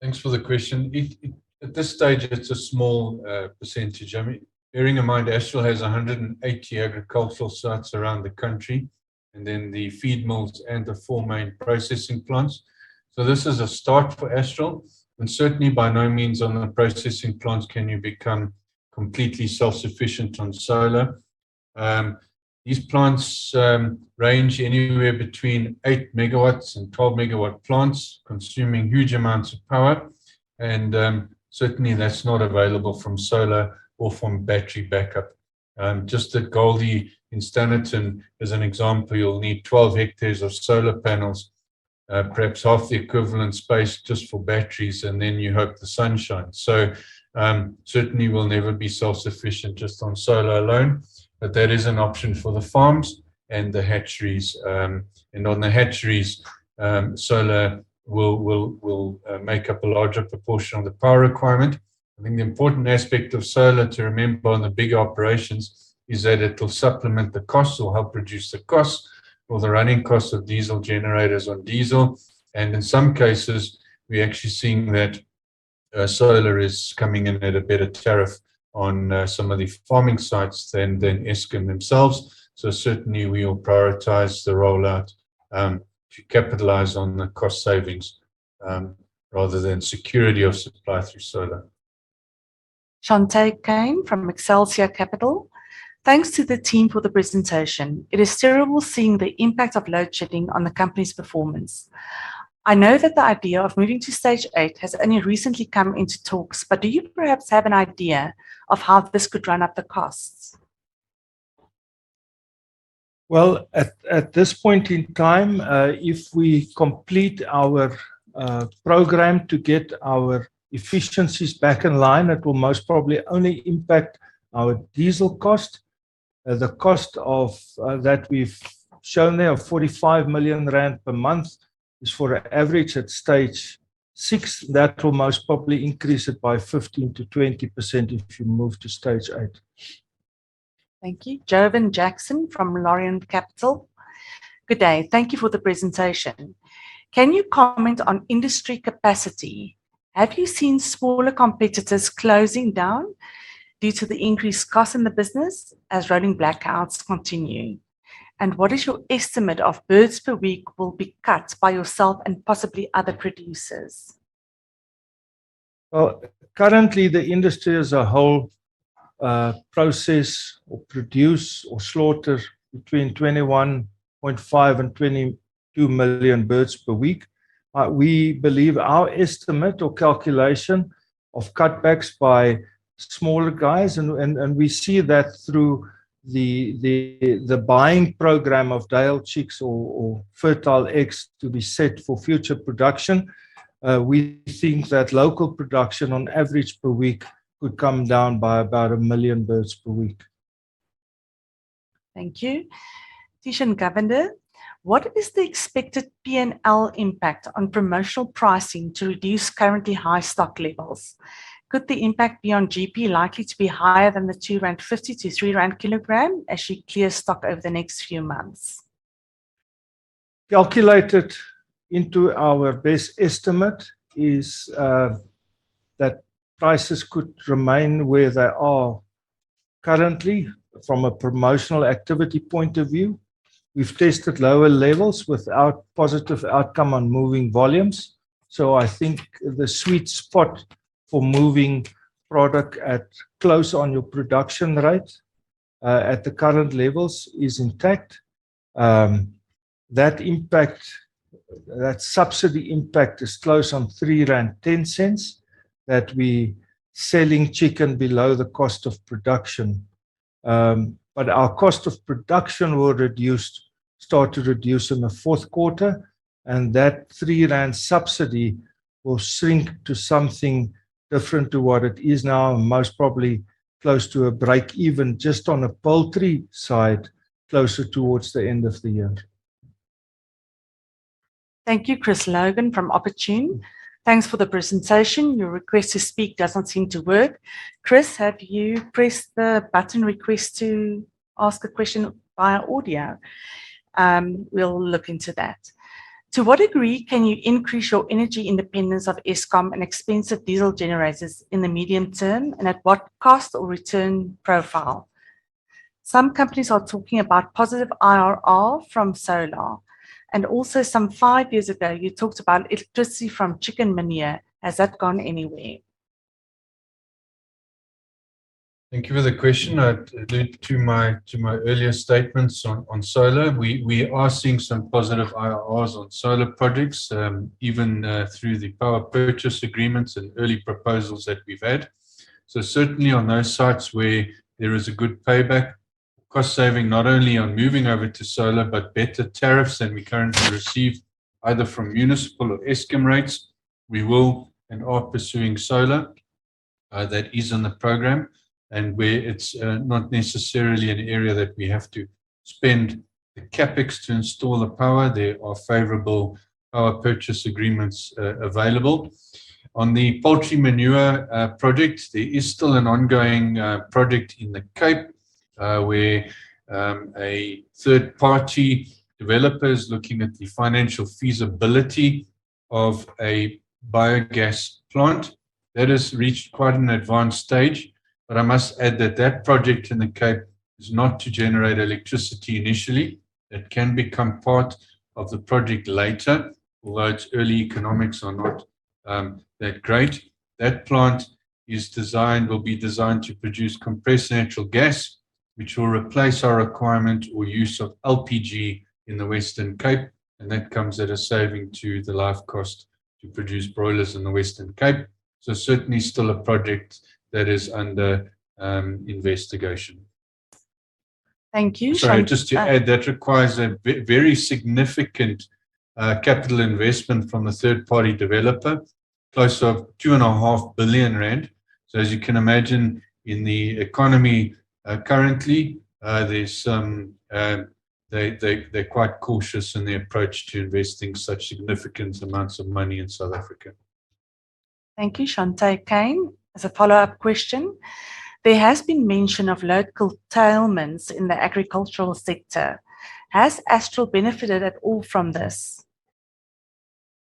Thanks for the question. At this stage, it's a small percentage. I mean, bearing in mind Astral has 180 agricultural sites around the country, and then the feed mills and the four main processing plants. This is a start for Astral, and certainly by no means on the processing plants can you become completely self-sufficient on solar. These plants range anywhere between 8 MW and 12 MW plants, consuming huge amounts of power, and certainly that's not available from solar or from battery backup. Just at Goldi in Standerton as an example, you'll need 12 hectares of solar panels, perhaps half the equivalent space just for batteries, and then you hope the sun shines. Certainly we'll never be self-sufficient just on solar alone, but that is an option for the farms and the hatcheries. On the hatcheries, solar will make up a larger proportion of the power requirement. I think the important aspect of solar to remember on the bigger operations is that it'll supplement the costs or help reduce the cost or the running costs of diesel generators on diesel. In some cases, we're actually seeing that solar is coming in at a better tariff on some of the farming sites than Eskom themselves. Certainly we'll prioritize the rollout to capitalize on the cost savings rather than security of supply through solar. Chanté Kane from Excelsior Capital. Thanks to the team for the presentation. It is terrible seeing the impact of load-shedding on the company's performance. I know that the idea of moving to stage 8 has only recently come into talks, do you perhaps have an idea of how this could run up the costs? Well, at this point in time, if we complete our program to get our efficiencies back in line, it will most probably only impact our diesel cost. The cost of that we've shown there of 45 million rand per month is for an average at Stage six. That will most probably increase it by 15%-20% if you move to Stage eight. Thank you. Jovan Jackson from Laurium Capital Good day. Thank you for the presentation. Can you comment on industry capacity? Have you seen smaller competitors closing down due to the increased cost in the business as rolling blackouts continue? What is your estimate of birds per week will be cut by yourself and possibly other producers? Currently the industry as a whole, process or produce or slaughter between 21.5 million and 22 million birds per week. We believe our estimate or calculation of cutbacks by smaller guys, and we see that through the buying program of day-old chicks or fertile eggs to be set for future production. We think that local production on average per week could come down by about a million birds per week. Thank you. Thishan Govender. What is the expected P&L impact on promotional pricing to reduce currently high stock levels? Could the impact be on GP likely to be higher than the 2.50 rand to 3 rand kg as you clear stock over the next few months? Calculated into our best estimate is, That prices could remain where they are currently from a promotional activity point of view. We've tested lower levels without positive outcome on moving volumes. I think the sweet spot for moving product at close on your production rate, at the current levels is intact. That subsidy impact is close on 3.10 rand that we selling chicken below the cost of production. Our cost of production will start to reduce in the fourth quarter, and that 3 rand subsidy will shrink to something different to what it is now, most probably close to a break even just on a poultry side closer towards the end of the year. Thank you. Chris Logan from Opportune. Thanks for the presentation. Your request to speak doesn't seem to work. Chris, have you pressed the button request to ask a question via audio? We'll look into that. To what degree can you increase your energy independence of Eskom and expensive diesel generators in the medium term, and at what cost or return profile? Some companies are talking about positive IRR from solar. Also some five years ago you talked about electricity from chicken manure. Has that gone anywhere? Thank you for the question. I allude to my earlier statements on solar. We are seeing some positive IRRs on solar projects even through the power purchase agreements and early proposals that we've had. Certainly on those sites where there is a good payback cost saving not only on moving over to solar, but better tariffs than we currently receive either from municipal or Eskom rates. We will and are pursuing solar that is in the program. Where it's not necessarily an area that we have to spend the CapEx to install the power, there are favorable power purchase agreements available. On the poultry manure project, there is still an ongoing project in the Cape where a third party developer is looking at the financial feasibility of a biogas plant. That has reached quite an advanced stage. I must add that that project in the Cape is not to generate electricity initially. That can become part of the project later, although its early economics are not that great. That plant will be designed to produce compressed natural gas, which will replace our requirement or use of LPG in the Western Cape, and that comes at a saving to the life cost to produce broilers in the Western Cape. Certainly still a project that is under investigation. Thank you. Sorry, just to add, that requires a very significant capital investment from a third party developer, close of 2.5 billion rand. As you can imagine in the economy currently, there's some. They're quite cautious in their approach to investing such significant amounts of money in South Africa. Thank you. Chante Kane as a follow-up question, there has been mention of load curtailments in the agricultural sector. Has Astral benefited at all from this?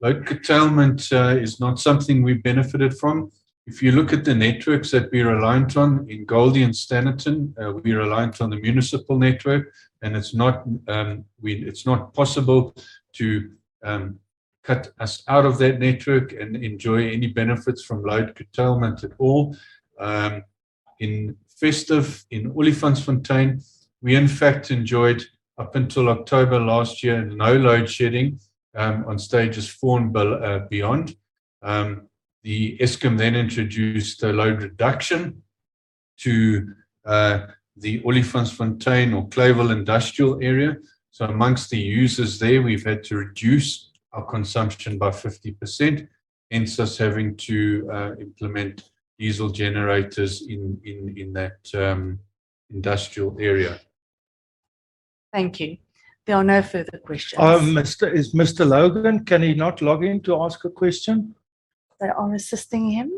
Load curtailment is not something we've benefited from. If you look at the networks that we're reliant on in Goldi and Standerton, we're reliant on the municipal network, and it's not possible to cut us out of that network and enjoy any benefits from load curtailment at all. In Vrystaat, in Olifantsfontein we in fact enjoyed up until October last year, no Load Shedding on stage four and beyond. Eskom then introduced a load reduction to the Olifantsfontein or Clayville Industrial area. Amongst the users there, we've had to reduce our consumption by 50%, hence us having to implement diesel generators in that industrial area. Thank you. There are no further questions. Is Mr. Logan, can he not log in to ask a question? They are assisting him.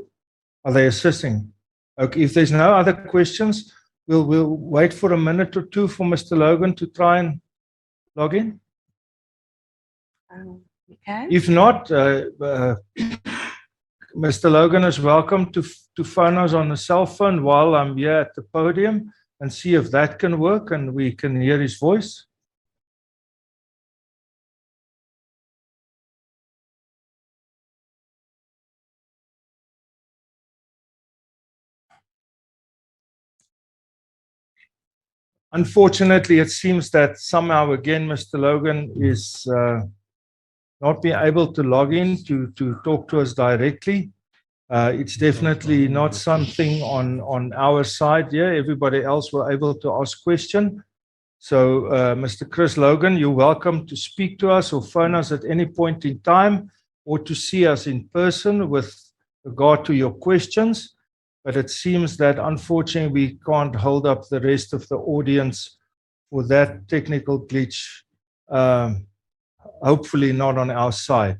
Are they assisting? Okay If there's no other questions, we'll wait for a minute or two for Mr. Logan to try and log in. Okay. If not Mr. Logan is welcome to phone us on his cell phone while I'm here at the podium and see if that can work and we can hear his voice. It seems that somehow again Mr. Logan is not being able to log in to talk to us directly. It's definitely not something on our side here. Everybody else were able to ask question. Mr. Chris Logan, you're welcome to speak to us or phone us at any point in time, or to see us in person with regard to your questions. It seems that unfortunately we can't hold up the rest of the audience for that technical glitch, hopefully not on our side.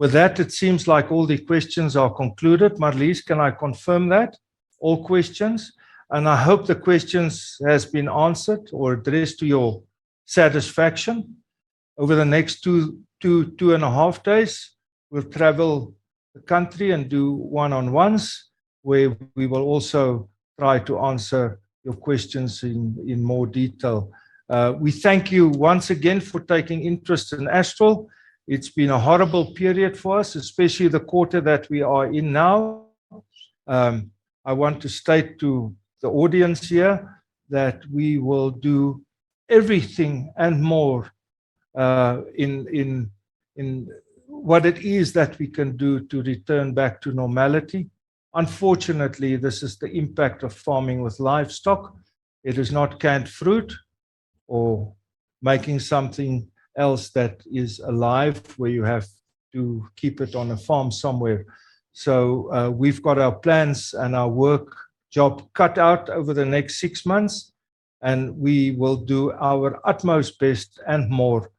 It seems like all the questions are concluded. Marlize, can I confirm that? All questions. I hope the questions has been answered or addressed to your satisfaction. Over the next two and a half days, we'll travel the country and do one-on-ones where we will also try to answer your questions in more detail. We thank you once again for taking interest in Astral. It's been a horrible period for us, especially the quarter that we are in now. I want to state to the audience here that we will do everything and more, in what it is that we can do to return back to normality. Unfortunately, this is the impact of farming with livestock. It is not canned fruit or making something else that is alive where you have to keep it on a farm somewhere. We've got our plans and our work job cut out over the next six months, and we will do our utmost best and more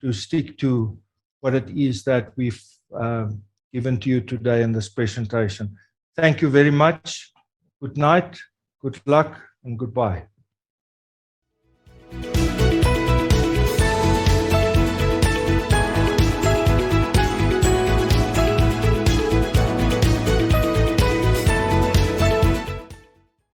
to stick to what it is that we've given to you today in this presentation. Thank you very much. Good night, good luck, and goodbye.